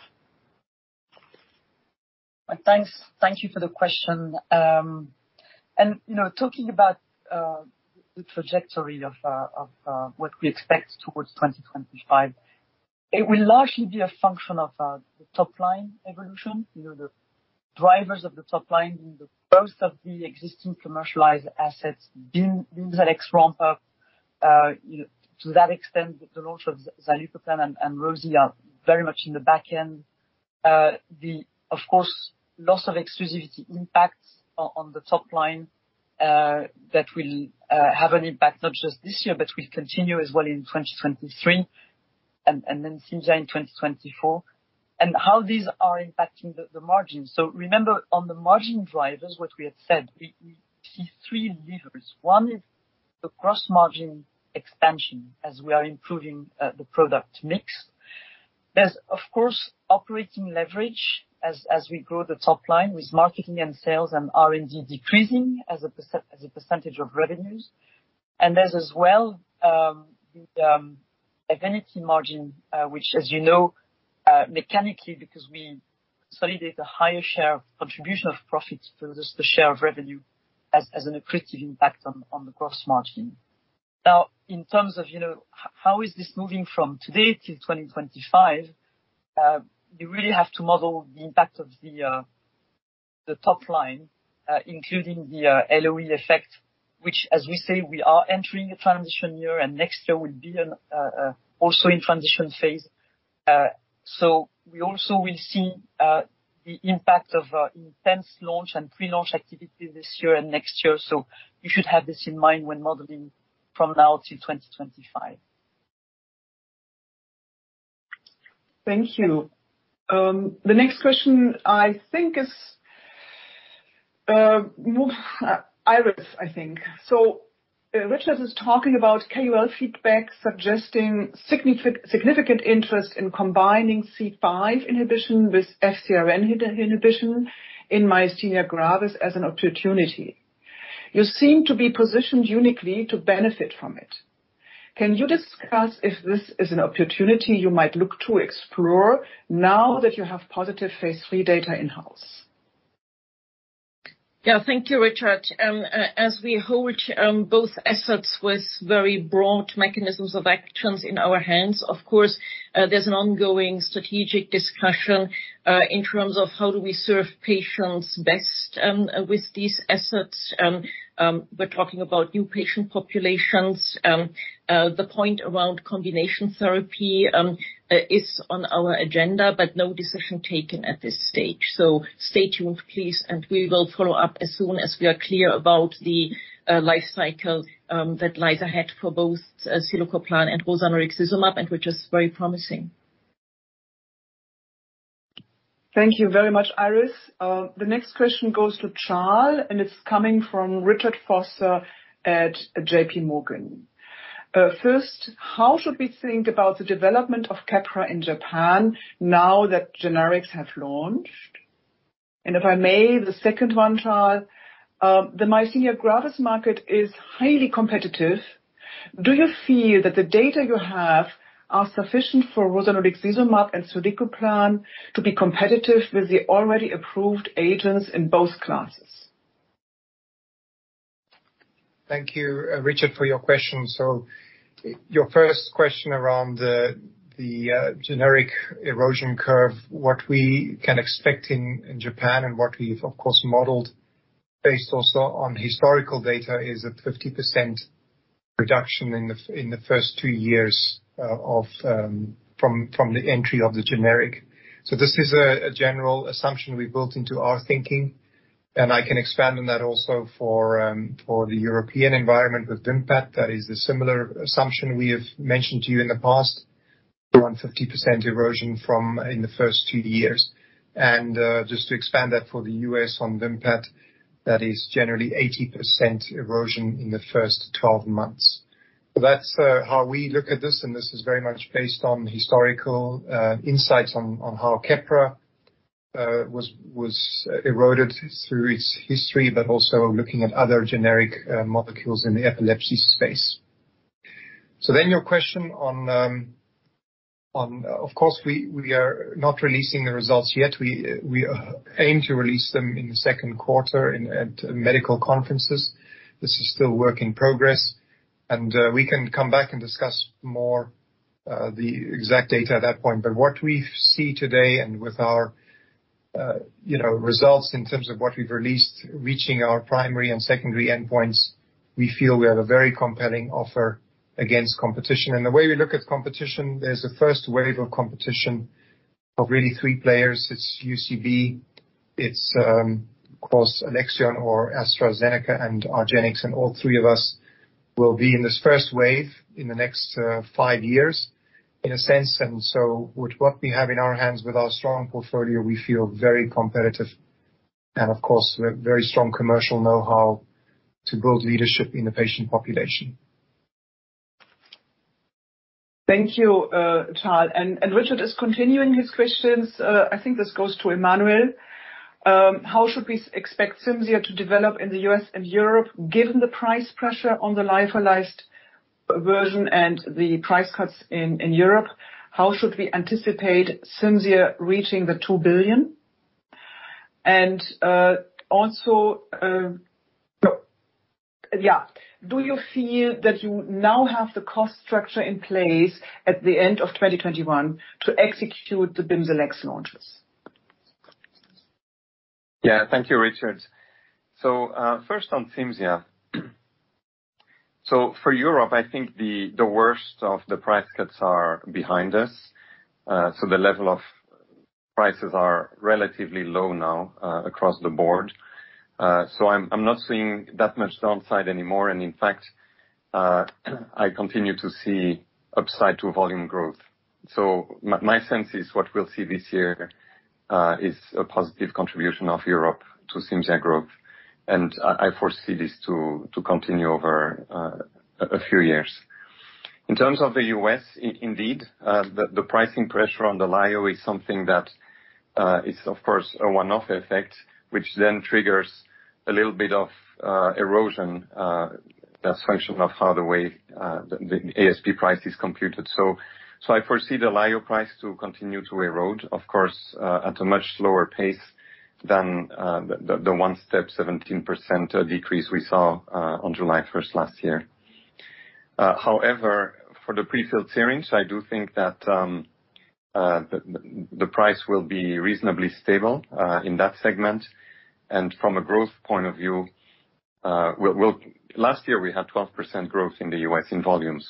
F: Thanks. Thank you for the question. You know, talking about the trajectory of what we expect towards 2025, it will largely be a function of the top line evolution. You know, the drivers of the top line being the growth of the existing commercialized assets, BIMZELX ramp-up. You know, to that extent, the launch of zilucoplan and rozanolixizumab are very much in the back end. Of course, loss of exclusivity impacts on the top line that will have an impact, not just this year, but will continue as well in 2023 and then CIMZIA in 2024. How these are impacting the margin. Remember, on the margin drivers, what we have said, we see three levers. One is the gross margin expansion as we are improving the product mix. There's of course operating leverage as we grow the top line with marketing and sales and R&D decreasing as a percentage of revenues. There's as well EVENITY margin, which as you know mechanically because we consolidate a higher share of contribution of profits versus the share of revenue as an accretive impact on the gross margin. Now, in terms of you know how is this moving from today till 2025 you really have to model the impact of the top line including the LOE effect, which as we say we are entering a transition year, and next year will be and also in transition phase. We also will see the impact of intense launch and pre-launch activity this year and next year. You should have this in mind when modeling from now till 2025.
A: Thank you. The next question, I think, is Iris, I think. Richard is talking about KOL feedback suggesting significant interest in combining C5 inhibition with FcRn inhibition in myasthenia gravis as an opportunity. You seem to be positioned uniquely to benefit from it. Can you discuss if this is an opportunity you might look to explore now that you have positive phase III data in-house?
C: Yeah. Thank you, Richard. As we hold both assets with very broad mechanisms of actions in our hands, of course, there's an ongoing strategic discussion in terms of how do we serve patients best with these assets. We're talking about new patient populations. The point around combination therapy is on our agenda, but no decision taken at this stage. Stay tuned, please, and we will follow up as soon as we are clear about the life cycle that lies ahead for both zilucoplan and rozanolixizumab, and which is very promising.
A: Thank you very much, Iris. The next question goes to Charl`, and it's coming from Richard Vosser at JPMorgan. First, how should we think about the development of Keppra in Japan now that generics have launched? If I may, the second one, Charl, the myasthenia gravis market is highly competitive. Do you feel that the data you have are sufficient for rozanolixizumab and zilucoplan to be competitive with the already approved agents in both classes?
D: Thank you, Richard, for your question. Your first question around the generic erosion curve, what we can expect in Japan and what we've of course modeled based also on historical data is a 50% reduction in the first two years from the entry of the generic. This is a general assumption we built into our thinking, and I can expand on that also for the European environment with Vimpat. That is a similar assumption we have mentioned to you in the past. 150% erosion in the first two years. Just to expand that for the U.S. on Vimpat, that is generally 80% erosion in the first 12 months. That's how we look at this, and this is very much based on historical insights on how Keppra was eroded through its history, but also looking at other generic molecules in the epilepsy space. Your question on. Of course, we are not releasing the results yet. We aim to release them in the second quarter at medical conferences. This is still work in progress, and we can come back and discuss more the exact data at that point. What we see today and with our, you know, results in terms of what we've released, reaching our primary and secondary endpoints, we feel we have a very compelling offer against competition. The way we look at competition, there's a first wave of competition of really three players. It's UCB, it's, of course, Alexion or AstraZeneca and argenx, and all three of us will be in this first wave in the next, five years, in a sense. With what we have in our hands, with our strong portfolio, we feel very competitive and of course, with very strong commercial know-how to build leadership in the patient population.
A: Thank you, Charl. Richard is continuing his questions. I think this goes to Emmanuel. How should we expect CIMZIA to develop in the U.S. and Europe, given the price pressure on the lyophilized version and the price cuts in Europe? How should we anticipate CIMZIA reaching the EUR 2 billion? Also, do you feel that you now have the cost structure in place at the end of 2021 to execute the BIMZELX launches?
E: Yeah. Thank you, Richard. First on CIMZIA. For Europe, I think the worst of the price cuts are behind us. The level of prices are relatively low now across the board. I'm not seeing that much downside anymore. In fact, I continue to see upside to volume growth. My sense is what we'll see this year is a positive contribution of Europe to CIMZIA growth, and I foresee this to continue over a few years. In terms of the U.S., indeed, the pricing pressure on the lyo is something that is of course a one-off effect, which then triggers a little bit of erosion as a function of the way the ASP price is computed. I foresee the lyo price to continue to erode, of course, at a much slower pace than the one-step 17% decrease we saw on July first last year. However, for the pre-filled syringe, I do think that the price will be reasonably stable in that segment. From a growth point of view, last year we had 12% growth in the U.S. in volumes,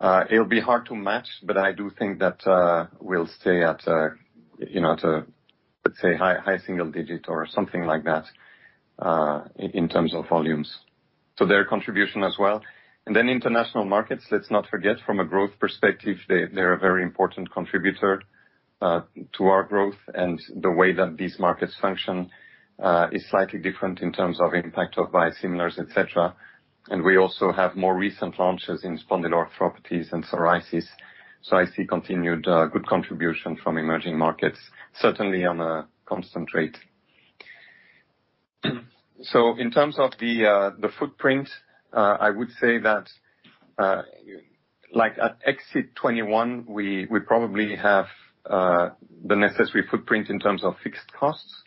E: so it'll be hard to match, but I do think that we'll stay at, you know, at a, let's say, high single digit or something like that in terms of volumes. Their contribution as well. International markets, let's not forget from a growth perspective, they're a very important contributor to our growth. The way that these markets function is slightly different in terms of impact of biosimilars, et cetera. We also have more recent launches in spondyloarthropathies and psoriasis. I see continued good contribution from emerging markets, certainly on a constant rate. In terms of the footprint, I would say that like at exit 2021, we probably have the necessary footprint in terms of fixed costs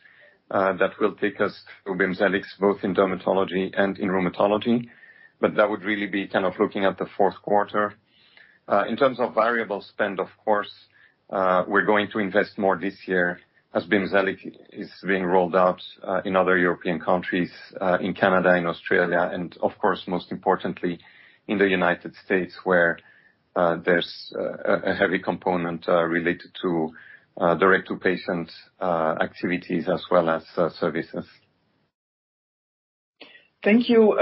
E: that will take us through BIMZELX, both in dermatology and in rheumatology. That would really be kind of looking at the fourth quarter. In terms of variable spend, of course, we're going to invest more this year as BIMZELX is being rolled out in other European countries, in Canada, in Australia, and of course, most importantly, in the United States, where there's a heavy component related to direct to patient activities as well as services.
A: Thank you,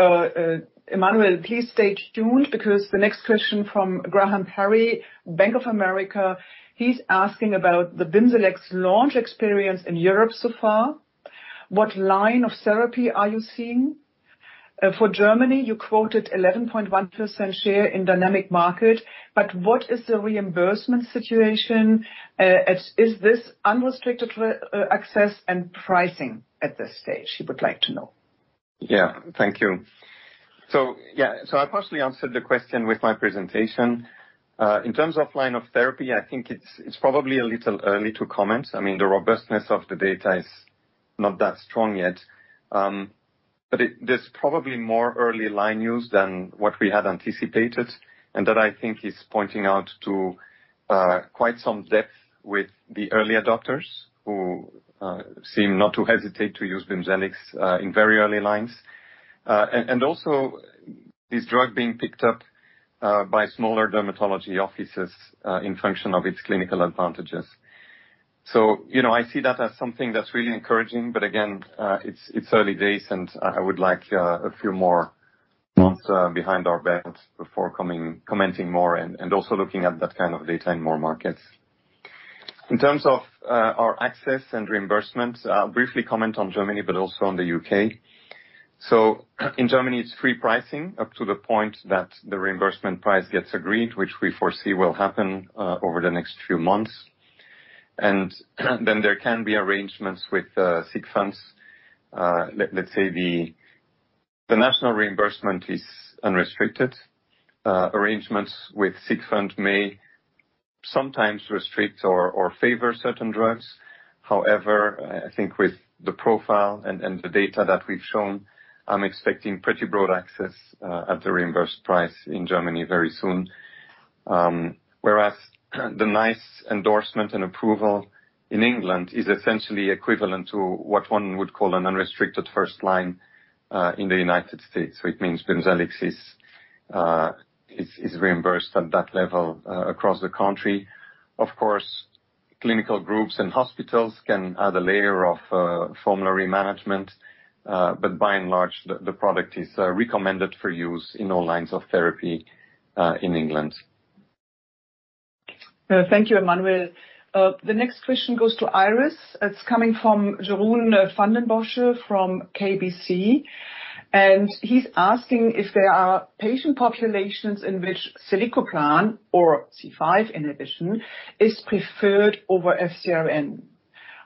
A: Emmanuel. Please stay tuned because the next question from Graham Parry, Bank of America. He's asking about the BIMZELX launch experience in Europe so far. What line of therapy are you seeing? For Germany, you quoted 11.1% share in dynamic market, but what is the reimbursement situation? Is this unrestricted access and pricing at this stage? He would like to know.
E: Thank you. I partially answered the question with my presentation. In terms of line of therapy, I think it's probably a little early to comment. I mean, the robustness of the data is not that strong yet. But there's probably more early line use than what we had anticipated, and that I think is pointing out to quite some depth with the early adopters who seem not to hesitate to use BIMZELX in very early lines. This drug being picked up by smaller dermatology offices in function of its clinical advantages. You know, I see that as something that's really encouraging, but again, it's early days, and I would like a few more months behind our belt before commenting more and also looking at that kind of data in more markets. In terms of our access and reimbursement, I'll briefly comment on Germany, but also on the U.K. In Germany, it's free pricing up to the point that the reimbursement price gets agreed, which we foresee will happen over the next few months. Then there can be arrangements with sick funds. Let's say the national reimbursement is unrestricted. Arrangements with sick funds may sometimes restrict or favor certain drugs. However, I think with the profile and the data that we've shown, I'm expecting pretty broad access at the reimbursed price in Germany very soon. Whereas the NICE endorsement and approval in England is essentially equivalent to what one would call an unrestricted first line in the United States. It means BIMZELX is reimbursed at that level across the country. Of course, clinical groups and hospitals can add a layer of formulary management, but by and large, the product is recommended for use in all lines of therapy in England.
A: Thank you, Emmanuel. The next question goes to Iris. It's coming from Jeroen van den Bossche from KBC, and he's asking if there are patient populations in which zilucoplan or C5 inhibition is preferred over FcRn.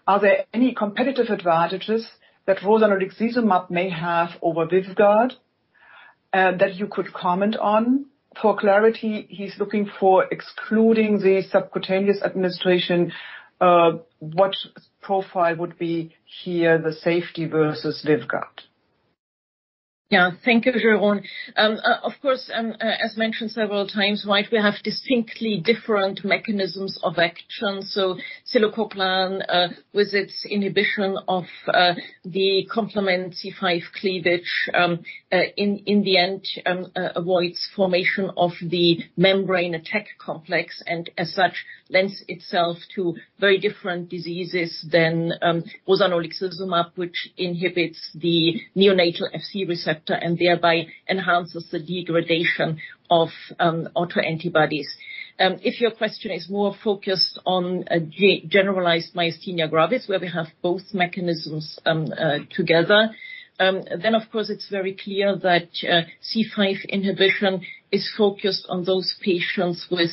A: Are there any competitive advantages that rozanolixizumab may have over VYVGART, that you could comment on? For clarity, he's looking for excluding the subcutaneous administration, what profile would be here, the safety versus VYVGART?
C: Yeah. Thank you, Jeroen. Of course, as mentioned several times, right, we have distinctly different mechanisms of action. zilucoplan, with its inhibition of the complement C5 cleavage, in the end, avoids formation of the membrane attack complex and as such, lends itself to very different diseases than rozanolixizumab, which inhibits the neonatal Fc receptor and thereby enhances the degradation of autoantibodies. If your question is more focused on generalized myasthenia gravis, where we have both mechanisms together, then of course it's very clear that C5 inhibition is focused on those patients with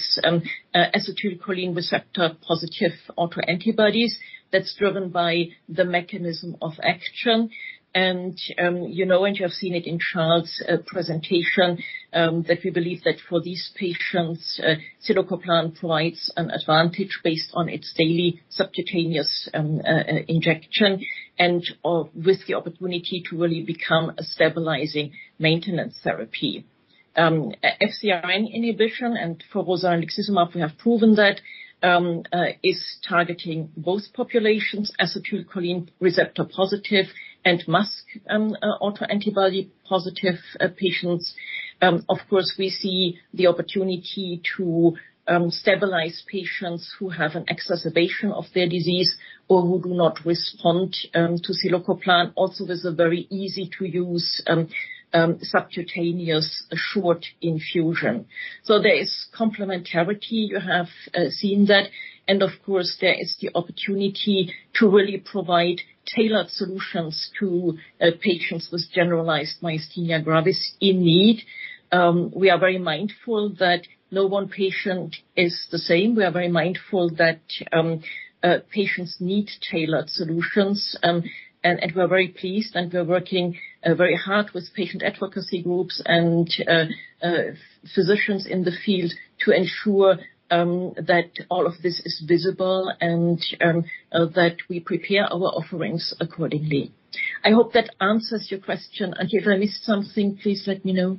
C: acetylcholine receptor-positive autoantibodies that's driven by the mechanism of action. You know, you have seen it in Charl presentation that we believe that for these patients, zilucoplan provides an advantage based on its daily subcutaneous injection and/or with the opportunity to really become a stabilizing maintenance therapy. FcRn inhibition, and for rozanolixizumab, we have proven that is targeting both populations, acetylcholine receptor-positive and MuSK autoantibody-positive patients. Of course, we see the opportunity to stabilize patients who have an exacerbation of their disease or who do not respond to zilucoplan also with a very easy-to-use subcutaneous short infusion. There is complementarity. You have seen that. Of course, there is the opportunity to really provide tailored solutions to patients with generalized myasthenia gravis in need. We are very mindful that no one patient is the same. We are very mindful that patients need tailored solutions. We're very pleased, and we're working very hard with patient advocacy groups and physicians in the field to ensure that all of this is visible and that we prepare our offerings accordingly. I hope that answers your question. If I missed something, please let me know.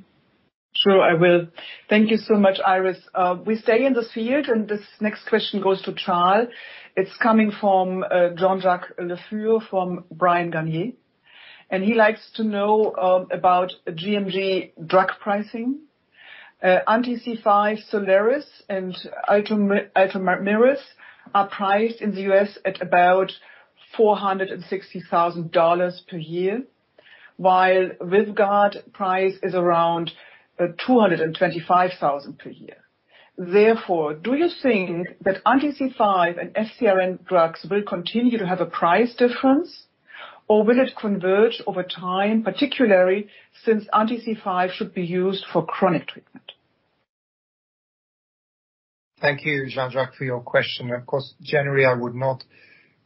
A: Sure, I will. Thank you so much, Iris. We stay in the field, and this next question goes to Charl. It's coming from Jean-Jacques Le Fur from Bryan Garnier. He likes to know about GMG drug pricing. Anti-C5, Soliris and Ultomiris are priced in the U.S. at about $460,000 per year, while VYVGART price is around $225,000 per year. Therefore, do you think that anti-C5 and FcRn drugs will continue to have a price difference, or will it converge over time, particularly since anti-C5 should be used for chronic treatment?
D: Thank you, Jean-Jacques, for your question. Of course, generally, I would not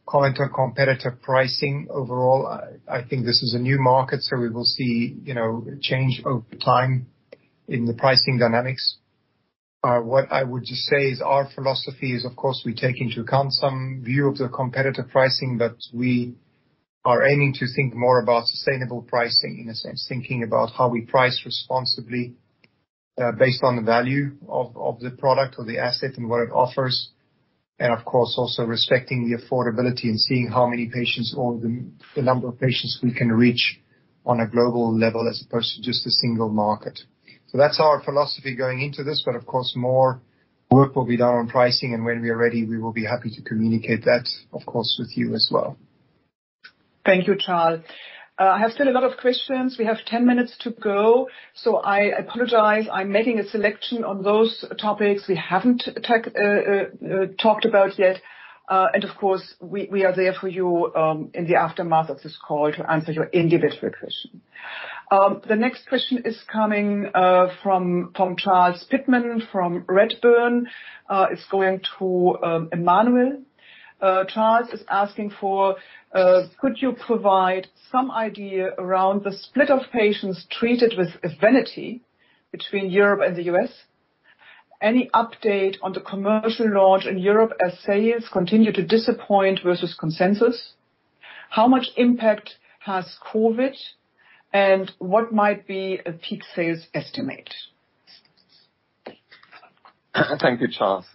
D: comment on competitive pricing. Overall, I think this is a new market, so we will see, you know, change over time in the pricing dynamics. What I would just say is our philosophy is, of course, we take into account some view of the competitive pricing, but we are aiming to think more about sustainable pricing, in a sense, thinking about how we price responsibly, based on the value of the product or the asset and what it offers, and of course, also respecting the affordability and seeing how many patients or the number of patients we can reach. On a global level as opposed to just a single market. That's our philosophy going into this, but of course, more work will be done on pricing, and when we are ready, we will be happy to communicate that, of course, with you as well.
A: Thank you, Charl. I have still a lot of questions. We have 10 minutes to go, so I apologize. I'm making a selection on those topics we haven't talked about yet. And of course, we are there for you in the aftermath of this call to answer your individual question. The next question is coming from Charles Pitman from Redburn. It's going to Emmanuel. Charles is asking, could you provide some idea around the split of patients treated with EVENITY between Europe and the U.S.? Any update on the commercial launch in Europe as sales continue to disappoint versus consensus? How much impact has COVID had, and what might be a peak sales estimate?
E: Thank you, Charles.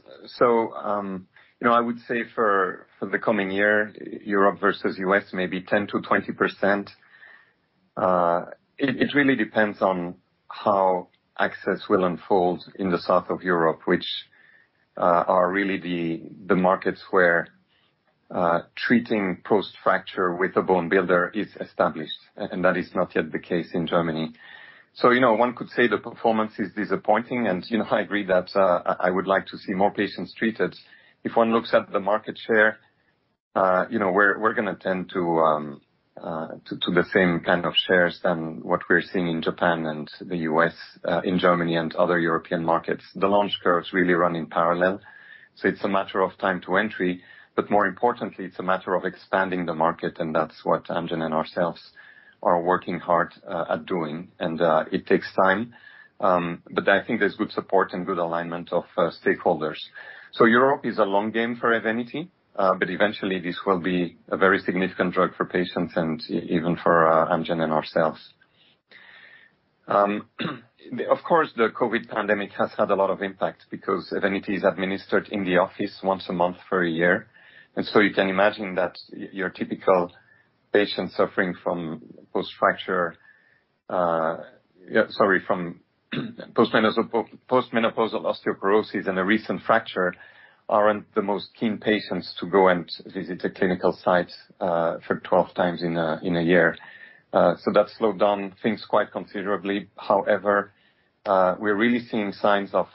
E: I would say for the coming year, Europe versus U.S., maybe 10%-20%. It really depends on how access will unfold in the south of Europe, which are really the markets where treating post-fracture with a bone builder is established, and that is not yet the case in Germany. One could say the performance is disappointing, and I agree that I would like to see more patients treated. If one looks at the market share, we're gonna tend to the same kind of shares than what we're seeing in Japan and the U.S., in Germany and other European markets. The launch curves really run in parallel, so it's a matter of time to entry. More importantly, it's a matter of expanding the market, and that's what Amgen and ourselves are working hard at doing. It takes time. I think there's good support and good alignment of stakeholders. Europe is a long game for EVENITY, but eventually, this will be a very significant drug for patients and even for Amgen and ourselves. Of course, the COVID pandemic has had a lot of impact because EVENITY is administered in the office once a month for a year. You can imagine that your typical patient suffering from post-menopausal osteoporosis and a recent fracture aren't the most keen patients to go and visit the clinical sites for 12 times in a year. That slowed down things quite considerably. However, we're really seeing signs of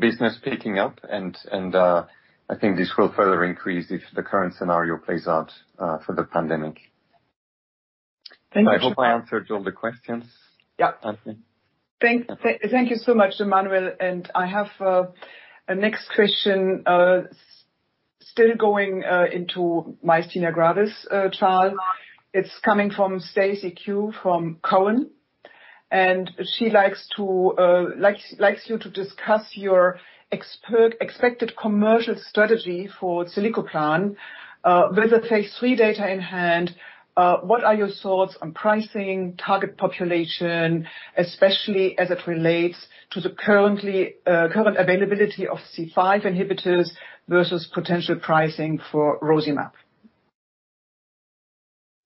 E: business picking up and I think this will further increase if the current scenario plays out for the pandemic.
A: Thank you.
E: I hope I answered all the questions.
A: Thank you so much, Emmanuel. I have a next question still going into myasthenia gravis, Charl. It's coming from Stacy Ku from Cowen. She likes you to discuss your expected commercial strategy for zilucoplan. With the phase III data in hand, what are your thoughts on pricing, target population, especially as it relates to the current availability of C-5 inhibitors versus potential pricing for rozanolixizumab?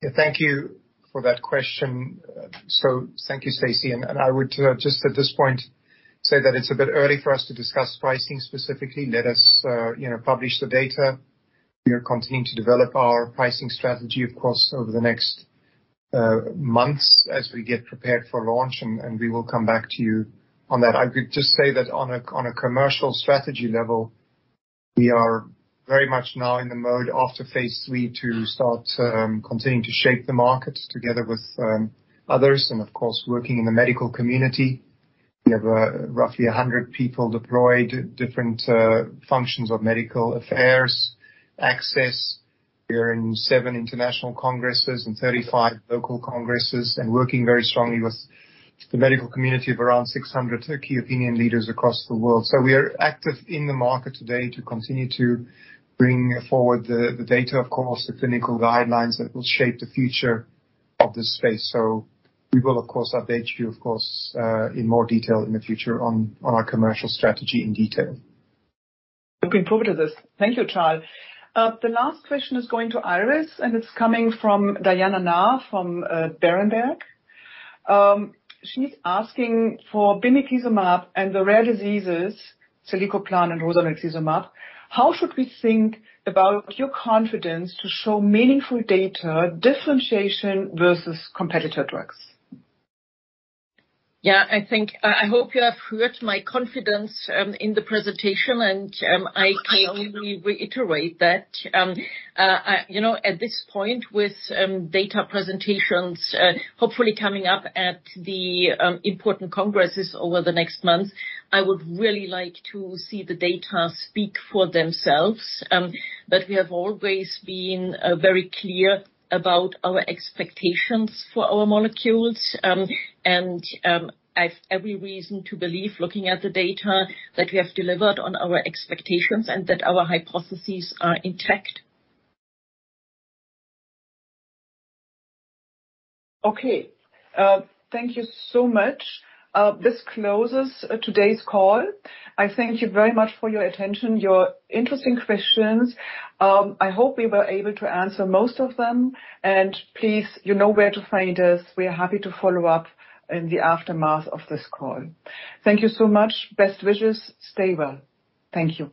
D: Yeah, thank you for that question. Thank you, Stacy. I would just at this point say that it's a bit early for us to discuss pricing specifically. Let us, you know, publish the data. We are continuing to develop our pricing strategy, of course, over the next months as we get prepared for launch, and we will come back to you on that. I would just say that on a commercial strategy level, we are very much now in the mode after phase III to start continuing to shape the market together with others and, of course, working in the medical community. We have roughly 100 people deployed, different functions of medical affairs, access. We are in seven international congresses and 35 local congresses and working very strongly with the medical community of around 600 key opinion leaders across the world. We are active in the market today to continue to bring forward the data, of course, the clinical guidelines that will shape the future of this space. We will, of course, update you, of course, in more detail in the future on our commercial strategy in detail.
A: Looking forward to this. Thank you, Charl. The last question is going to Iris, and it's coming from Diana Na from Berenberg. She's asking for bimekizumab and the rare diseases, zilucoplan and rozanolixizumab, how should we think about your confidence to show meaningful data differentiation versus competitor drugs?
C: Yeah. I think I hope you have heard my confidence in the presentation, and I can only reiterate that. You know, at this point with data presentations hopefully coming up at the important congresses over the next month, I would really like to see the data speak for themselves. We have always been very clear about our expectations for our molecules. I have every reason to believe, looking at the data, that we have delivered on our expectations and that our hypotheses are intact.
A: Okay. Thank you so much. This closes today's call. I thank you very much for your attention, your interesting questions. I hope we were able to answer most of them. Please, you know where to find us. We are happy to follow up in the aftermath of this call. Thank you so much. Best wishes. Stay well. Thank you.